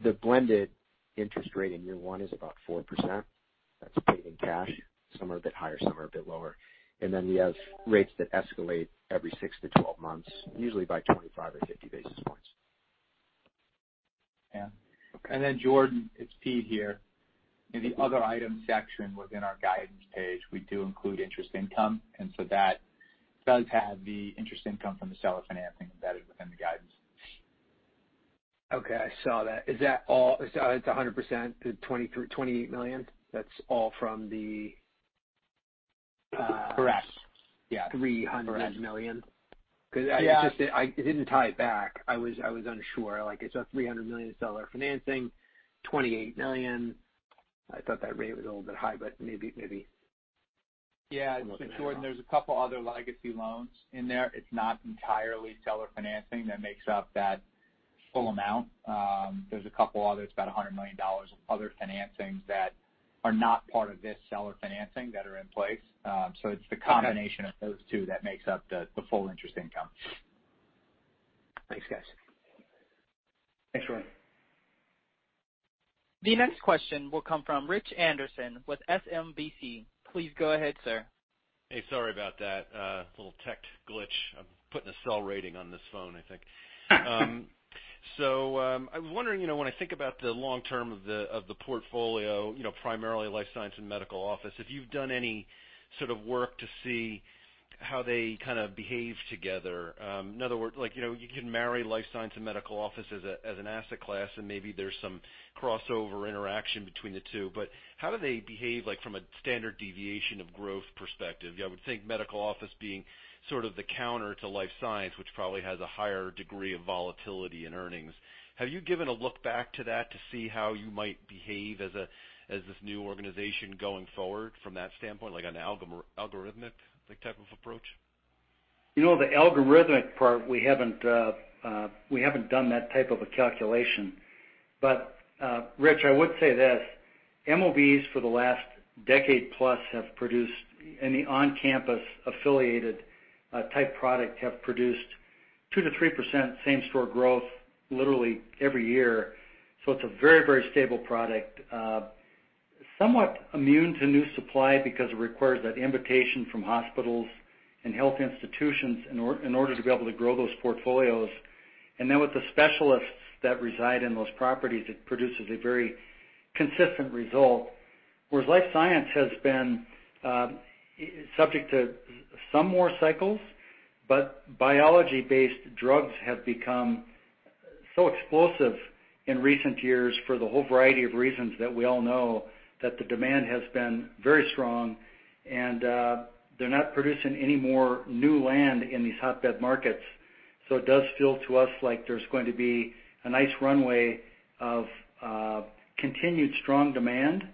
The blended interest rate in year one is about 4%. That's paid in cash. Some are a bit higher, some are a bit lower. We have rates that escalate every six to 12 months, usually by 25 or 50 basis points. Yeah. Okay. Jordan, it's Pete here. In the other item section within our guidance page, we do include interest income, and so that does have the interest income from the seller financing embedded within the guidance. Okay. I saw that. It's 100% the $28 million? Correct. Yeah $300 million? Yeah. Because I didn't tie it back. I was unsure. Like, it's a $300 million seller financing, $28 million. I thought that rate was a little bit high. Yeah. Jordan, there's a couple other legacy loans in there. It's not entirely seller financing that makes up that full amount. There's a couple others, about $100 million of other financings that are not part of this seller financing that are in place. It's the combination of those two that makes up the full interest income. Thanks, guys. Thanks, Jordan. The next question will come from Richard Anderson with SMBC. Please go ahead, sir. Hey, sorry about that. A little tech glitch. I'm putting a sell rating on this phone, I think. I was wondering, when I think about the long term of the portfolio, primarily life science and medical office, if you've done any sort of work to see how they kind of behave together. In other words, you can marry life science and medical office as an asset class, and maybe there's some crossover interaction between the two. How do they behave from a standard deviation of growth perspective? I would think medical office being sort of the counter to life science, which probably has a higher degree of volatility in earnings. Have you given a look back to that to see how you might behave as this new organization going forward from that standpoint, like an algorithmic type of approach? The algorithmic part, we haven't done that type of a calculation. Rich, I would say this. MOBs for the last decade plus have produced, in the on-campus affiliated type product, have produced 2%-3% same-store growth literally every year. It's a very, very stable product. Somewhat immune to new supply because it requires that invitation from hospitals and health institutions in order to be able to grow those portfolios. With the specialists that reside in those properties, it produces a very consistent result. Whereas life science has been subject to some more cycles, biology-based drugs have become so explosive in recent years for the whole variety of reasons that we all know, that the demand has been very strong, they're not producing any more new land in these hotbed markets. It does feel to us like there's going to be a nice runway of continued strong demand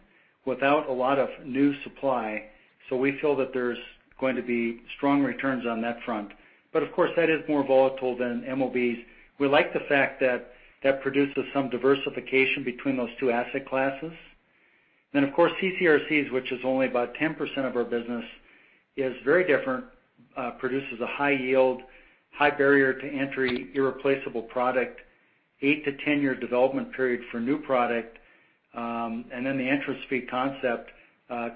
without a lot of new supply. We feel that there's going to be strong returns on that front. Of course, that is more volatile than MOBs. We like the fact that that produces some diversification between those two asset classes. Of course, CCRC, which is only about 10% of our business, is very different. Produces a high yield, high barrier to entry, irreplaceable product, 8-10 year development period for new product. The entrance fee concept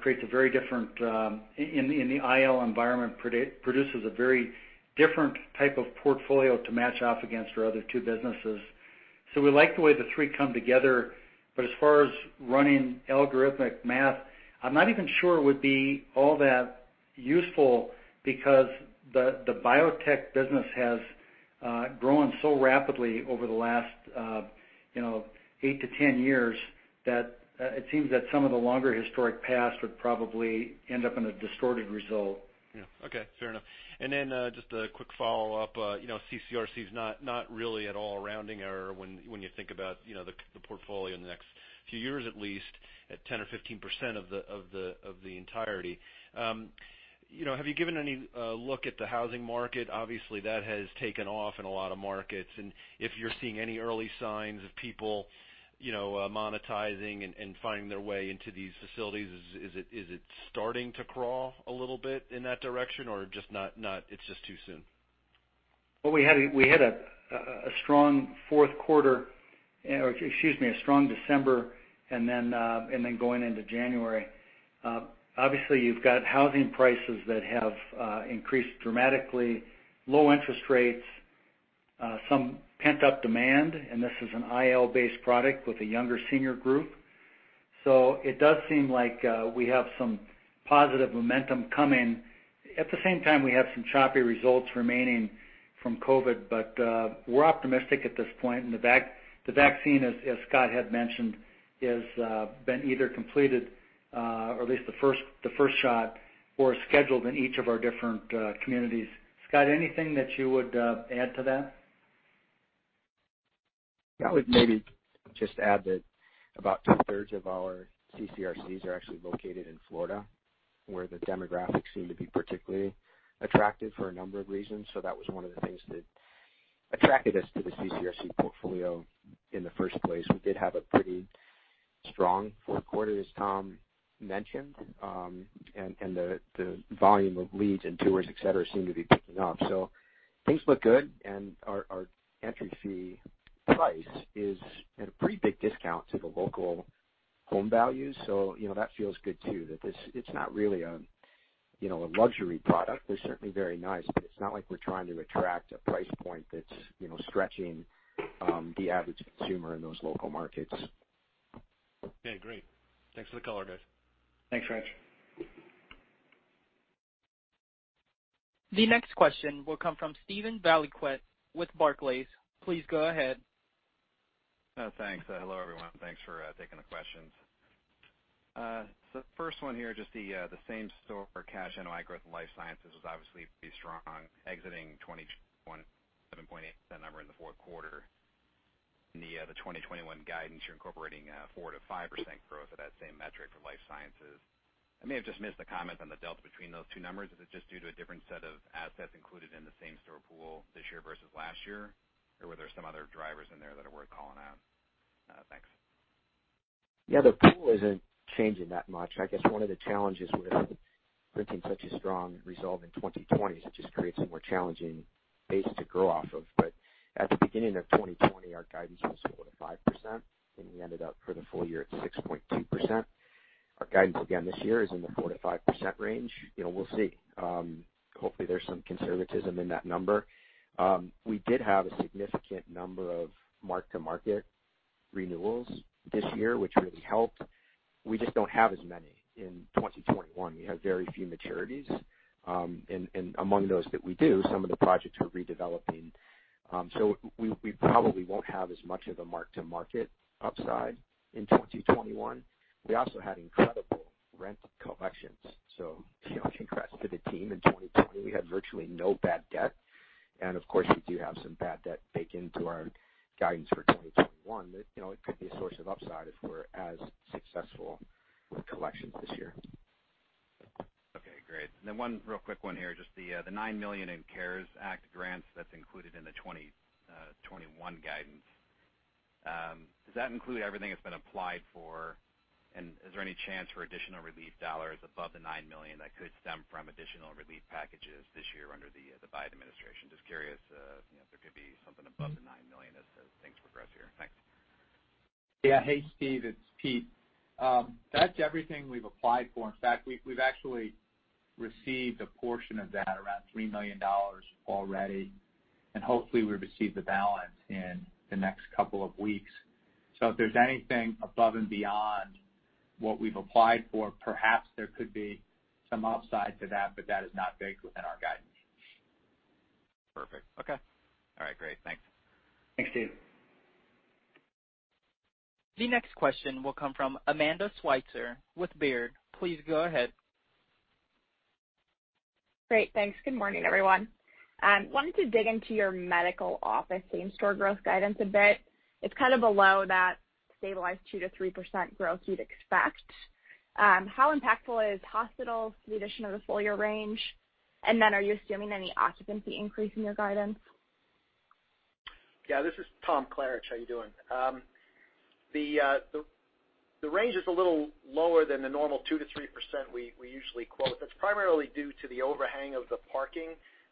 in the IL environment, produces a very different type of portfolio to match off against our other two businesses. We like the way the three come together. As far as running algorithmic math, I'm not even sure it would be all that useful because the biotech business has grown so rapidly over the last eight to 10 years that it seems that some of the longer historic past would probably end up in a distorted result. Yeah. Okay. Fair enough. Just a quick follow-up. CCRC is not really at all a rounding error when you think about the portfolio in the next few years, at least, at 10% or 15% of the entirety. Have you given any look at the housing market? Obviously, that has taken off in a lot of markets, and if you're seeing any early signs of people monetizing and finding their way into these facilities. Is it starting to crawl a little bit in that direction, or it's just too soon? Well, we had a strong fourth quarter, or excuse me, a strong December, and then going into January. Obviously you've got housing prices that have increased dramatically, low interest rates, some pent-up demand, and this is an IL-based product with a younger senior group. It does seem like we have some positive momentum coming. At the same time, we have some choppy results remaining from COVID, we're optimistic at this point, and the vaccine, as Scott had mentioned, has been either completed or at least the first shot or scheduled in each of our different communities. Scott, anything that you would add to that? I would maybe just add that about two-thirds of our CCRCs are actually located in Florida, where the demographics seem to be particularly attractive for a number of reasons. That was one of the things that attracted us to the CCRC portfolio in the first place. We did have a pretty strong fourth quarter, as Tom mentioned. The volume of leads and tours, et cetera, seem to be picking up. Things look good and our entry fee price is at a pretty big discount to the local home values, so that feels good too, that it's not really a luxury product. They're certainly very nice, but it's not like we're trying to attract a price point that's stretching the average consumer in those local markets. Okay, great. Thanks for the color, guys. Thanks, Rich. The next question will come from Steven Valiquette with Barclays. Please go ahead. Thanks. Hello, everyone. Thanks for taking the questions. The first one here, just the same store cash NOI growth in life sciences was obviously pretty strong, exiting 27.8% number in the fourth quarter. In the 2021 guidance, you're incorporating 4%-5% growth at that same metric for life sciences. I may have just missed the comment on the delta between those two numbers. Is it just due to a different set of assets included in the same store pool this year versus last year? Were there some other drivers in there that are worth calling out? Thanks. The pool isn't changing that much. I guess one of the challenges with printing such a strong result in 2020 is it just creates a more challenging base to grow off of. At the beginning of 2020, our guidance was 4%-5%, and we ended up for the full year at 6.2%. Our guidance again this year is in the 4%-5% range. We'll see. Hopefully, there's some conservatism in that number. We did have a significant number of mark-to-market renewals this year, which really helped. We just don't have as many in 2021. We have very few maturities. Among those that we do, some of the projects we're redeveloping. We probably won't have as much of a mark-to-market upside in 2021. We also had incredible rent collections. Congrats to the team in 2020. We had virtually no bad debt. Of course, we do have some bad debt baked into our guidance for 2021. It could be a source of upside if we're as successful with collections this year. Okay, great. One real quick one here, just the $9 million in CARES Act grants that's included in the 2021 guidance. Does that include everything that's been applied for? Is there any chance for additional relief dollars above the $9 million that could stem from additional relief packages this year under the Biden administration? Just curious if there could be something above the $9 million as things progress here. Thanks. Hey, Steve, it's Pete. That's everything we've applied for. In fact, we've actually received a portion of that, around $3 million already. Hopefully we'll receive the balance in the next couple of weeks. If there's anything above and beyond what we've applied for, perhaps there could be some upside to that. That is not baked within our guidance. Perfect. Okay. All right, great. Thanks. Thanks, Steve. The next question will come from Amanda Sweitzer with Baird. Please go ahead. Great, thanks. Good morning, everyone. Wanted to dig into your Medical Office same-store growth guidance a bit. It is kind of below that stabilized 2%-3% growth you would expect. How impactful is hospitals to the addition of the full-year range? Are you assuming any occupancy increase in your guidance? Yeah, this is Tom Klaritch. How you doing? The range is a little lower than the normal 2%-3% we usually quote. That's primarily due to the overhang of the parking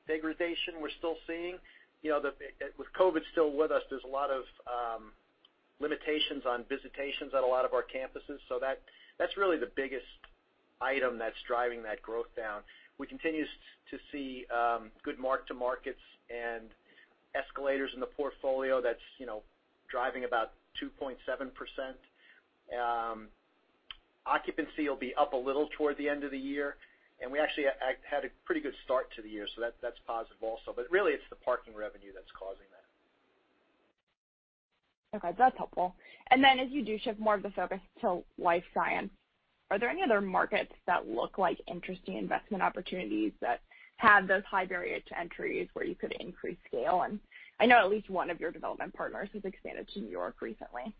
degradation we're still seeing. With COVID still with us, there's a lot of limitations on visitations at a lot of our campuses. That's really the biggest item that's driving that growth down. We continue to see good mark-to-markets and escalators in the portfolio that's driving about 2.7%. Occupancy will be up a little toward the end of the year, and we actually had a pretty good start to the year, so that's positive also. Really it's the parking revenue that's causing that. Okay, that's helpful. As you do shift more of the focus to life science, are there any other markets that look like interesting investment opportunities that have those high barrier to entries where you could increase scale? I know at least one of your development partners has expanded to New York recently.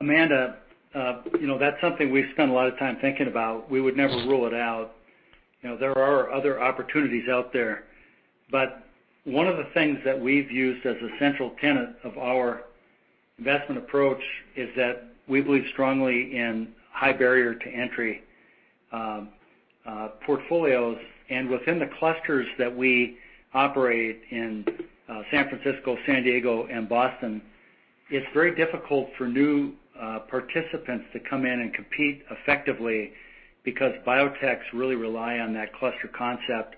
Amanda, that's something we've spent a lot of time thinking about. We would never rule it out. There are other opportunities out there. One of the things that we've used as a central tenet of our investment approach is that we believe strongly in high barrier to entry portfolios, and within the clusters that we operate in San Francisco, San Diego, and Boston, it's very difficult for new participants to come in and compete effectively because biotechs really rely on that cluster concept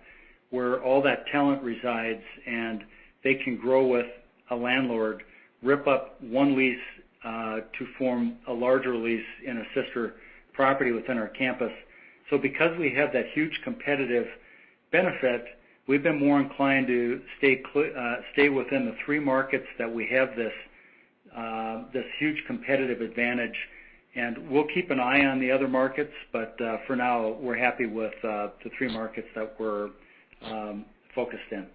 where all that talent resides, and they can grow with a landlord, rip up one lease to form a larger lease in a sister property within our campus. Because we have that huge competitive benefit, we've been more inclined to stay within the three markets that we have this huge competitive advantage. We'll keep an eye on the other markets, but for now, we're happy with the three markets that we're focused in.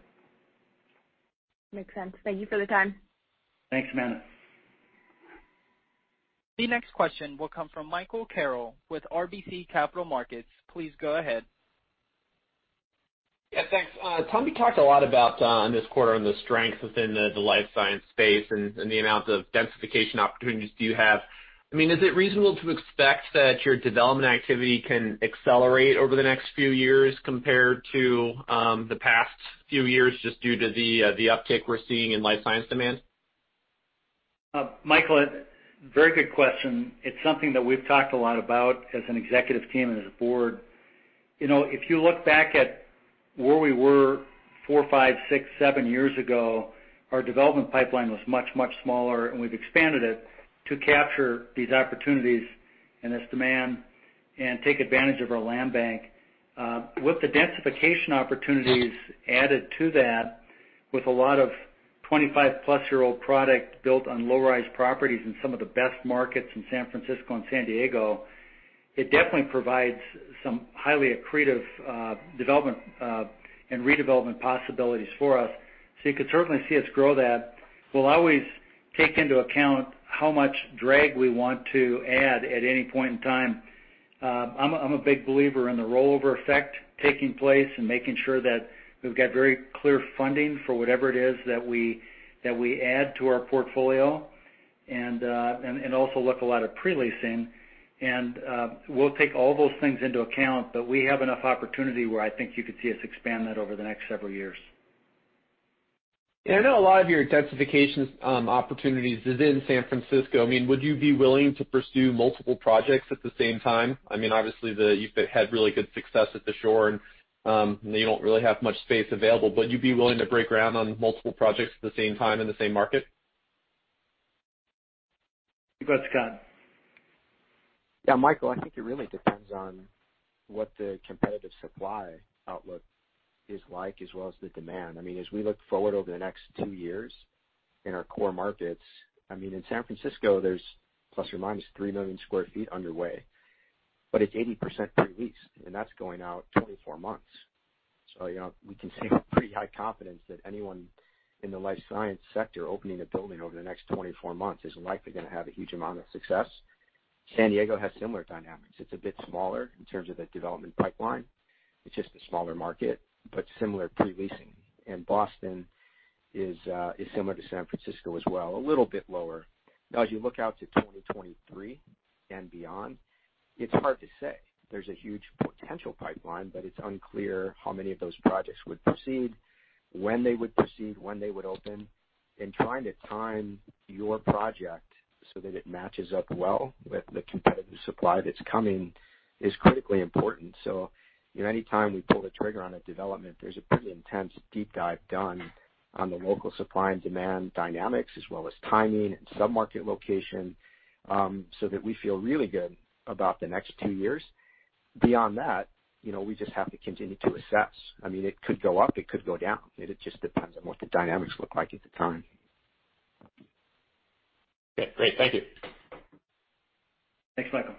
Makes sense. Thank you for the time. Thanks, Amanda. The next question will come from Michael Carroll with RBC Capital Markets. Please go ahead. Yeah, thanks. Tom, you talked a lot about, on this quarter, the strength within the life science space and the amount of densification opportunities that you have. Is it reasonable to expect that your development activity can accelerate over the next few years compared to the past few years just due to the uptick we're seeing in life science demand? Michael, very good question. It's something that we've talked a lot about as an executive team and as a board. If you look back at where we were four, five, six, seven years ago, our development pipeline was much, much smaller, and we've expanded it to capture these opportunities and this demand and take advantage of our land bank. With the densification opportunities added to that, with a lot of 25+ year-old product built on low-rise properties in some of the best markets in San Francisco and San Diego, it definitely provides some highly accretive development and redevelopment possibilities for us. You could certainly see us grow that. We'll always take into account how much drag we want to add at any point in time. I'm a big believer in the rollover effect taking place and making sure that we've got very clear funding for whatever it is that we add to our portfolio, and also look a lot at pre-leasing. We'll take all those things into account, but we have enough opportunity where I think you could see us expand that over the next several years. Yeah, I know a lot of your densification opportunities is in San Francisco. Would you be willing to pursue multiple projects at the same time? Obviously, you've had really good success at The Shore, and you don't really have much space available. Would you be willing to break ground on multiple projects at the same time in the same market? You go ahead, Scott. Yeah, Michael, I think it really depends on what the competitive supply outlook is like as well as the demand. As we look forward over the next two years in our core markets, in San Francisco, there's ±3 million square feet underway, but it's 80% pre-leased. That's going out 24 months. We can say with pretty high confidence that anyone in the life science sector opening a building over the next 24 months is likely going to have a huge amount of success. San Diego has similar dynamics. It's a bit smaller in terms of the development pipeline. It's just a smaller market, but similar pre-leasing. Boston is similar to San Francisco as well, a little bit lower. Now, as you look out to 2023 and beyond, it's hard to say. There's a huge potential pipeline, but it's unclear how many of those projects would proceed, when they would proceed, when they would open. Trying to time your project so that it matches up well with the competitive supply that's coming is critically important. Anytime we pull the trigger on a development, there's a pretty intense deep dive done on the local supply and demand dynamics as well as timing and sub-market location, so that we feel really good about the next two years. Beyond that, we just have to continue to assess. It could go up, it could go down, and it just depends on what the dynamics look like at the time. Okay, great. Thank you. Thanks, Michael.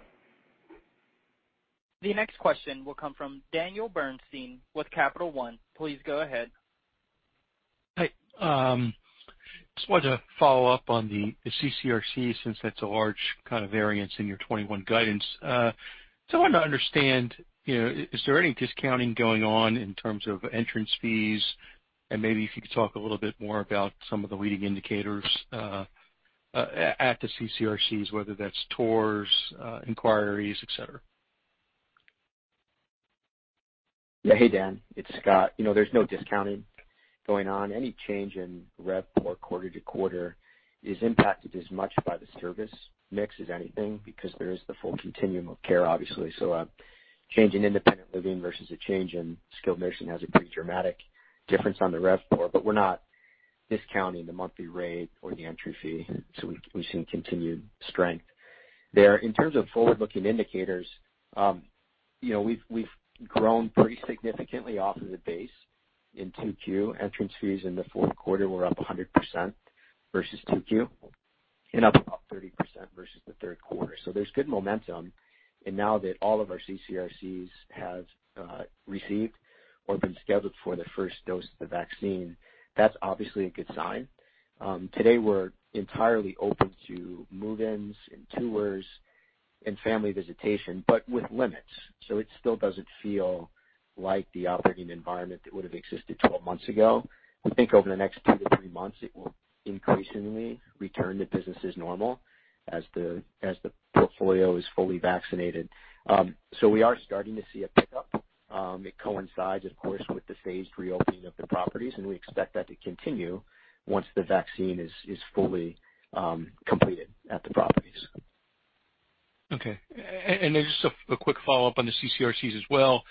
The next question will come from Daniel Bernstein with Capital One. Please go ahead. Hi. Just wanted to follow up on the CCRC, since that's a large kind of variance in your 2021 guidance. Just wanted to understand, is there any discounting going on in terms of entrance fees? Maybe if you could talk a little bit more about some of the leading indicators at the CCRCs, whether that's tours, inquiries, et cetera. Yeah. Hey, Dan. It's Scott. There's no discounting going on. Any change in RevPAR quarter to quarter is impacted as much by the service mix as anything because there is the full continuum of care, obviously. A change in independent living versus a change in skilled nursing has a pretty dramatic difference on the rev floor. We're not discounting the monthly rate or the entry fee, so we've seen continued strength there. In terms of forward-looking indicators, we've grown pretty significantly off of the base in 2Q. Entrance fees in the fourth quarter were up 100% versus 2Q and up about 30% versus the third quarter. There's good momentum. Now that all of our CCRCs have received or been scheduled for their first dose of the vaccine, that's obviously a good sign. Today, we're entirely open to move-ins and tours and family visitation, but with limits. It still doesn't feel like the operating environment that would have existed 12 months ago. We think over the next two to three months, it will increasingly return to business as normal as the portfolio is fully vaccinated. We are starting to see a pickup. It coincides, of course, with the phased reopening of the properties, and we expect that to continue once the vaccine is fully completed at the properties. Just a quick follow-up on the CCRCs as well.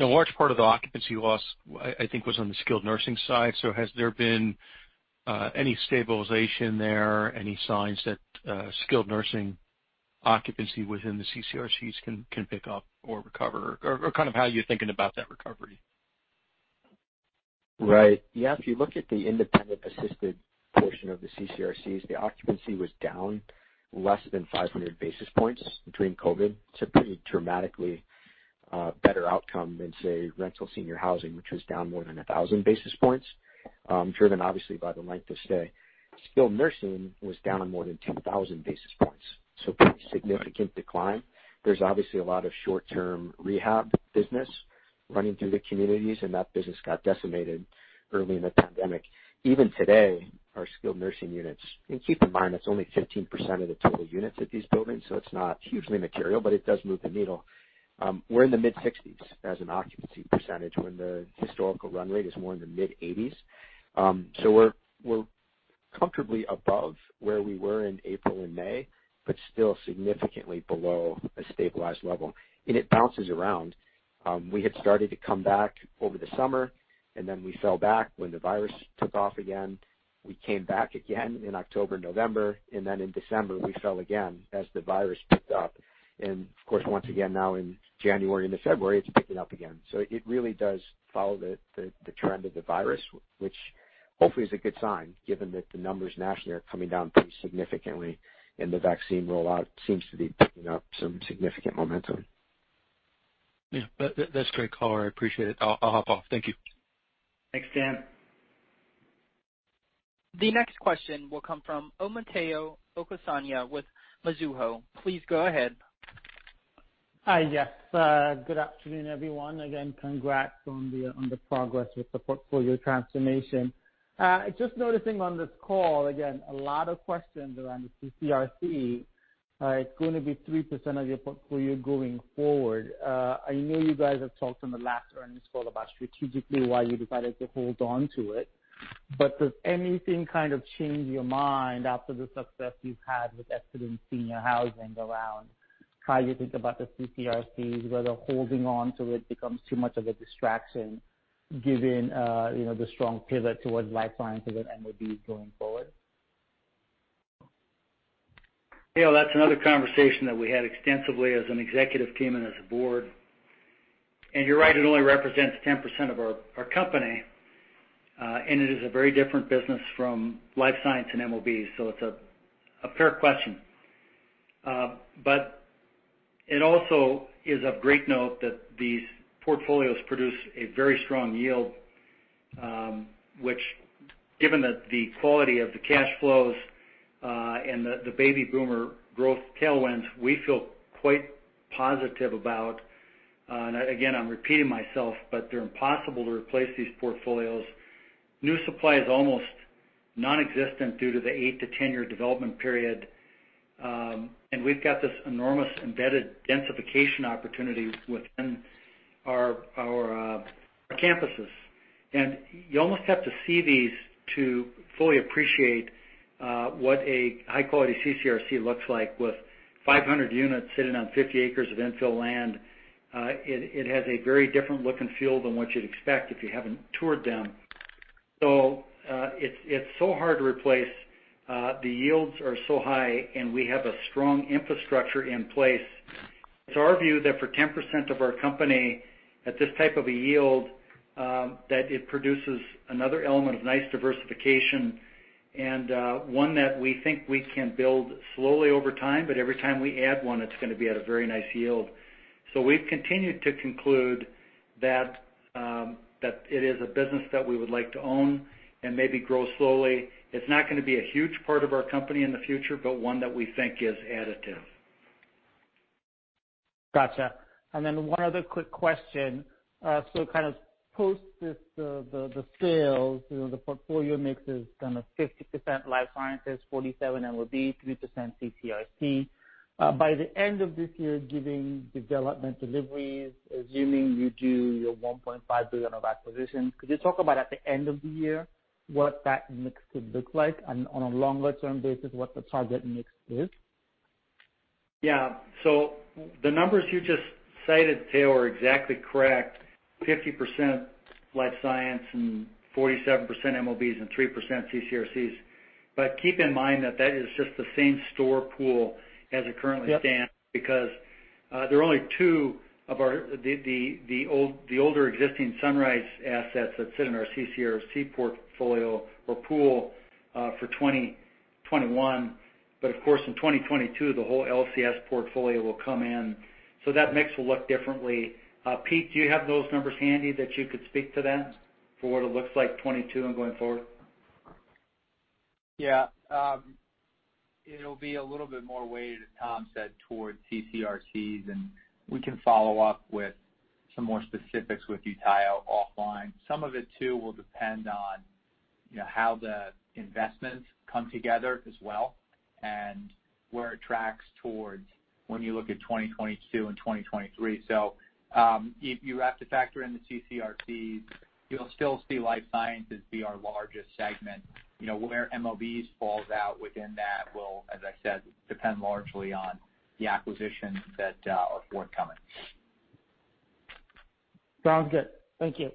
A large part of the occupancy loss, I think, was on the skilled nursing side. Has there been any stabilization there? Any signs that skilled nursing occupancy within the CCRCs can pick up or recover, or how are you thinking about that recovery? Right. Yeah. If you look at the independent assisted portion of the CCRCs, the occupancy was down less than 500 basis points during COVID. It's a pretty dramatically better outcome than, say, rental senior housing, which was down more than 1,000 basis points, driven obviously by the length of stay. Skilled nursing was down more than 2,000 basis points, so pretty significant decline. There's obviously a lot of short-term rehab business running through the communities, and that business got decimated early in the pandemic. Even today, our skilled nursing units, and keep in mind, that's only 15% of the total units at these buildings, so it's not hugely material, but it does move the needle. We're in the mid-60s as an occupancy percentage when the historical run rate is more in the mid-80s. We're comfortably above where we were in April and May, but still significantly below a stabilized level, and it bounces around. We had started to come back over the summer, and then we fell back when the virus took off again. We came back again in October, November, and then in December, we fell again as the virus picked up. Of course, once again now in January into February, it's picking up again. It really does follow the trend of the virus, which hopefully is a good sign given that the numbers nationally are coming down pretty significantly, and the vaccine rollout seems to be picking up some significant momentum. Yeah. That's great color. I appreciate it. I'll hop off. Thank you. Thanks, Dan. The next question will come from Omotayo Okusanya with Mizuho. Please go ahead. Hi, yes. Good afternoon, everyone. Congrats on the progress with the portfolio transformation. Just noticing on this call, again, a lot of questions around the CCRC. It's going to be 3% of your portfolio going forward. I know you guys have talked on the last earnings call about strategically why you decided to hold on to it, does anything kind of change your mind after the success you've had with exiting senior housing around how you think about the CCRCs, whether holding on to it becomes too much of a distraction given the strong pivot towards life science and MOB going forward? Omotayo, that's another conversation that we had extensively as an executive team and as a board. You're right, it only represents 10% of our company, it is a very different business from Life Science and MOB, it's a fair question. It also is of great note that these portfolios produce a very strong yield, which given that the quality of the cash flows, the baby boomer growth tailwinds, we feel quite positive about. Again, I'm repeating myself, they're impossible to replace these portfolios. New supply is almost nonexistent due to the 8-10 year development period, we've got this enormous embedded densification opportunity within our campuses. You almost have to see these to fully appreciate what a high-quality CCRC looks like with 500 units sitting on 50 acres of infill land. It has a very different look and feel than what you'd expect if you haven't toured them. It's so hard to replace. The yields are so high, and we have a strong infrastructure in place. It's our view that for 10% of our company at this type of a yield, that it produces another element of nice diversification and one that we think we can build slowly over time, but every time we add one, it's going to be at a very nice yield. We've continued to conclude that it is a business that we would like to own and maybe grow slowly. It's not going to be a huge part of our company in the future, but one that we think is additive. Got you. One other quick question. Kind of post the sales, the portfolio mix is kind of 50% Life Science, 47 MOB, 3% CCRC. By the end of this year, given development deliveries, assuming you do your $1.5 billion of acquisitions, could you talk about at the end of the year what that mix would look like and on a longer-term basis, what the target mix is? The numbers you just cited, Tayo, are exactly correct, 50% Life Science and 47% MOBs and 3% CCRCs. Keep in mind that that is just the same store pool as it currently stands. Yep There are only two of the older existing Sunrise assets that sit in our CCRC portfolio or pool for 2021. Of course, in 2022, the whole LCS portfolio will come in, so that mix will look differently. Pete, do you have those numbers handy that you could speak to then for what it looks like 2022 and going forward? Yeah. It'll be a little bit more weighted, as Tom said, towards CCRCs, and we can follow up with some more specifics with you, Tayo, offline. Some of it, too, will depend on how the investments come together as well and where it tracks towards when you look at 2022 and 2023. You have to factor in the CCRCs. You'll still see life sciences be our largest segment. Where MOBs falls out within that will, as I said, depend largely on the acquisitions that are forthcoming. Sounds good. Thank you.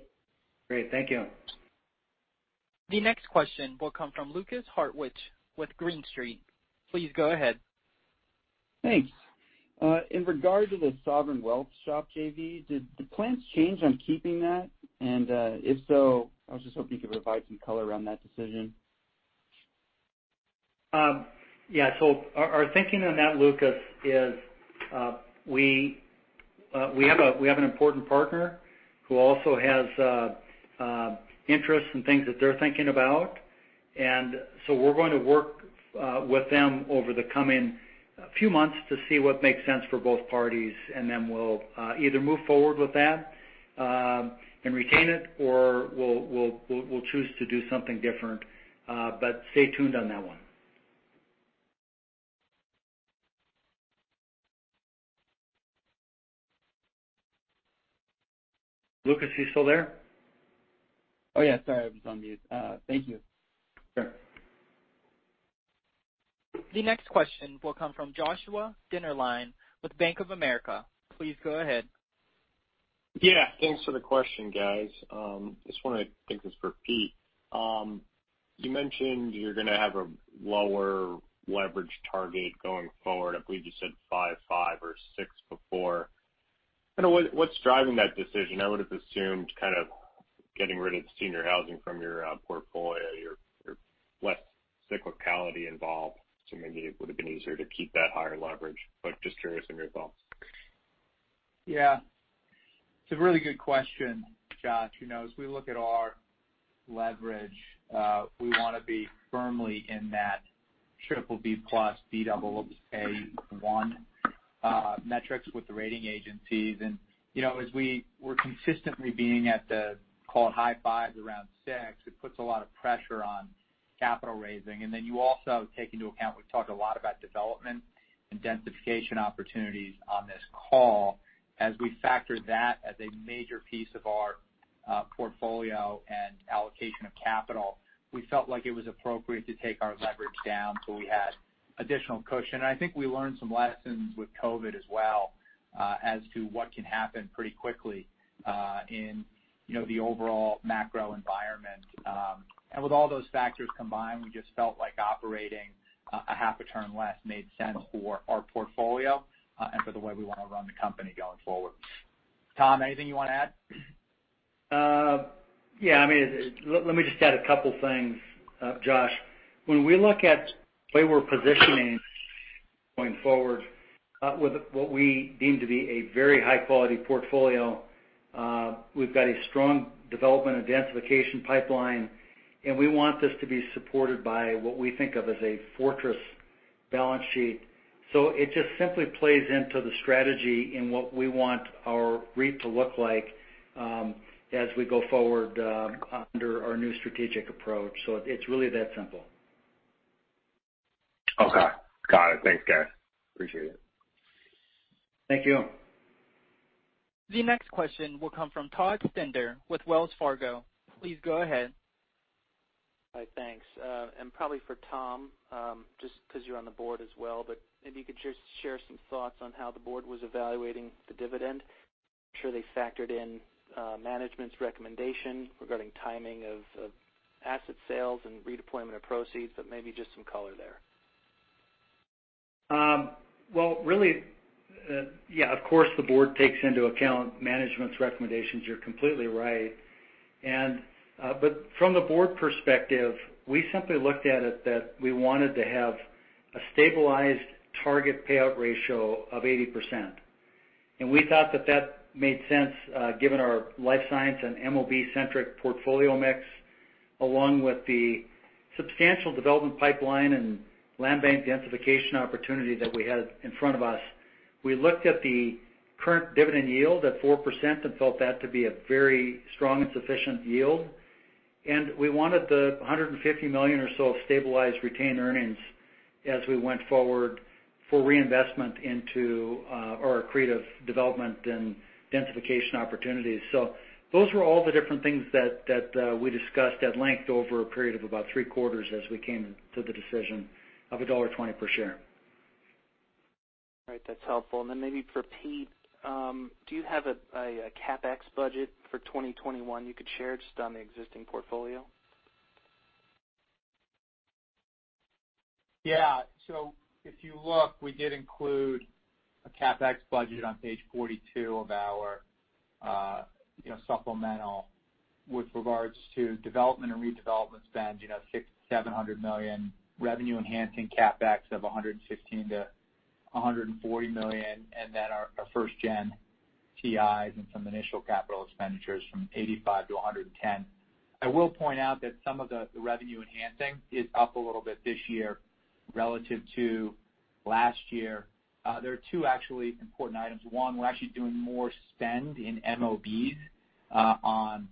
Great. Thank you. The next question will come from Lukas Hartwich with Green Street. Please go ahead. Thanks. In regard to the sovereign wealth SHOP JV, did the plans change on keeping that? If so, I was just hoping you could provide some color around that decision. Yeah. Our thinking on that, Lukas, is we have an important partner who also has interests and things that they're thinking about. We're going to work with them over the coming few months to see what makes sense for both parties, and then we'll either move forward with that and retain it, or we'll choose to do something different. Stay tuned on that one. Lukas, you still there? Oh, yeah, sorry, I was on mute. Thank you. Sure. The next question will come from Joshua Dennerlein with Bank of America. Please go ahead. Thanks for the question, guys. This one I think is for Pete. You mentioned you're going to have a lower leverage target going forward. I believe you said five-five or six before. What's driving that decision? I would've assumed kind of getting rid of the senior housing from your portfolio, you have less cyclicality involved, so maybe it would've been easier to keep that higher leverage. Just curious on your thoughts. Yeah. It's a really good question, Josh. As we look at our leverage, we want to be firmly in that BBB+, Baa1 metrics with the rating agencies. As we were consistently being at the called high fives, around six, it puts a lot of pressure on capital raising. Then you also take into account, we've talked a lot about development and densification opportunities on this call. As we factor that as a major piece of our portfolio and allocation of capital, we felt like it was appropriate to take our leverage down so we had additional cushion. I think we learned some lessons with COVID as well, as to what can happen pretty quickly in the overall macro environment. With all those factors combined, we just felt like operating a half a turn less made sense for our portfolio and for the way we want to run the company going forward. Tom, anything you want to add? Yeah. Let me just add a couple things, Josh. When we look at the way we're positioning going forward, with what we deem to be a very high-quality portfolio, we've got a strong development and densification pipeline, and we want this to be supported by what we think of as a fortress balance sheet. It just simply plays into the strategy in what we want our REIT to look like as we go forward under our new strategic approach. It's really that simple. Okay. Got it. Thanks, guys. Appreciate it. Thank you. The next question will come from Todd Stender with Wells Fargo. Please go ahead. Hi. Thanks. Probably for Tom, just because you're on the Board as well, but maybe you could just share some thoughts on how the Board was evaluating the dividend. I'm sure they factored in management's recommendation regarding timing of asset sales and redeployment of proceeds, but maybe just some color there. Well, really, yeah, of course, the board takes into account management's recommendations. You're completely right. But from the board perspective, we simply looked at it that we wanted to have a stabilized target payout ratio of 80%. We thought that that made sense given our life science and MOB-centric portfolio mix, along with the substantial development pipeline and land bank densification opportunity that we had in front of us. We looked at the current dividend yield at 4% and felt that to be a very strong and sufficient yield. We wanted the $150 million or so of stabilized retained earnings as we went forward for reinvestment into our creative development and densification opportunities. Those were all the different things that we discussed at length over a period of about three quarters as we came to the decision of a $1.20 per share. All right. That's helpful. Maybe for Pete, do you have a CapEx budget for 2021 you could share just on the existing portfolio? Yeah. If you look, we did include a CapEx budget on page 42 of our supplemental with regards to development and redevelopment spend, $600 million-$700 million, revenue enhancing CapEx of $116 million-$140 million, our first gen TIs and some initial capital expenditures from $85-$110. I will point out that some of the revenue enhancing is up a little bit this year relative to last year. There are two actually important items. One, we're actually doing more spend in MOBs on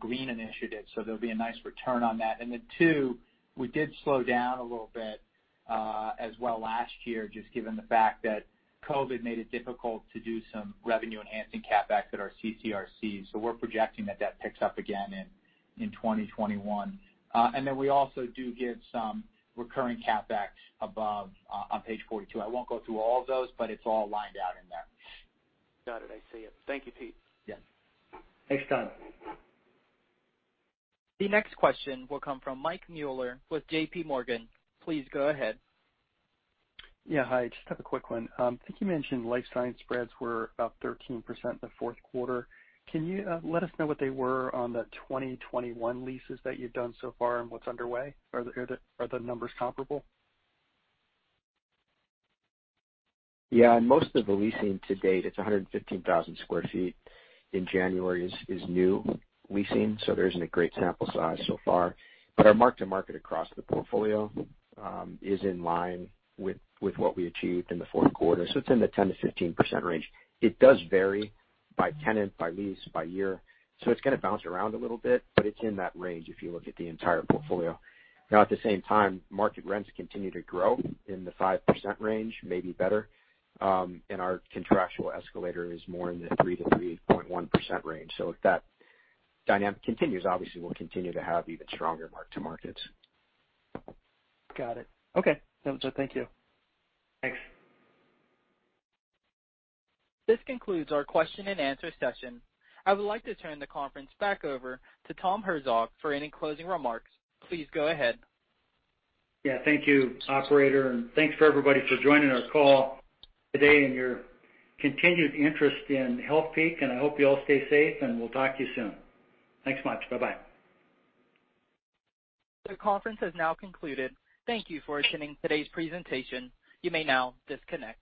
green initiatives. There'll be a nice return on that. Two, we did slow down a little bit as well last year, just given the fact that COVID made it difficult to do some revenue-enhancing CapEx at our CCRC. We're projecting that that picks up again in 2021. We also do give some recurring CapEx above on page 42. I won't go through all of those. It's all lined out in there. Got it. I see it. Thank you, Pete. Yeah. Thanks, Todd. The next question will come from Mike Mueller with JPMorgan. Please go ahead. Yeah. Hi, just have a quick one. I think you mentioned life science spreads were about 13% in the fourth quarter. Can you let us know what they were on the 2021 leases that you've done so far and what's underway? Are the numbers comparable? Most of the leasing to date, it's 115,000 square feet in January, is new leasing, so there isn't a great sample size so far. Our mark-to-market across the portfolio is in line with what we achieved in the fourth quarter. It's in the 10%-15% range. It does vary by tenant, by lease, by year, so it's going to bounce around a little bit, but it's in that range if you look at the entire portfolio. At the same time, market rents continue to grow in the 5% range, maybe better. Our contractual escalator is more in the 3%-3.1% range. If that dynamic continues, obviously, we'll continue to have even stronger mark-to-markets. Got it. Okay. That was it. Thank you. Thanks. This concludes our question and answer session. I would like to turn the conference back over to Tom Herzog for any closing remarks. Please go ahead. Thank you, operator. Thanks for everybody for joining our call today and your continued interest in Healthpeak. I hope you all stay safe. We'll talk to you soon. Thanks much. Bye-bye. The conference has now concluded. Thank you for attending today's presentation. You may now disconnect.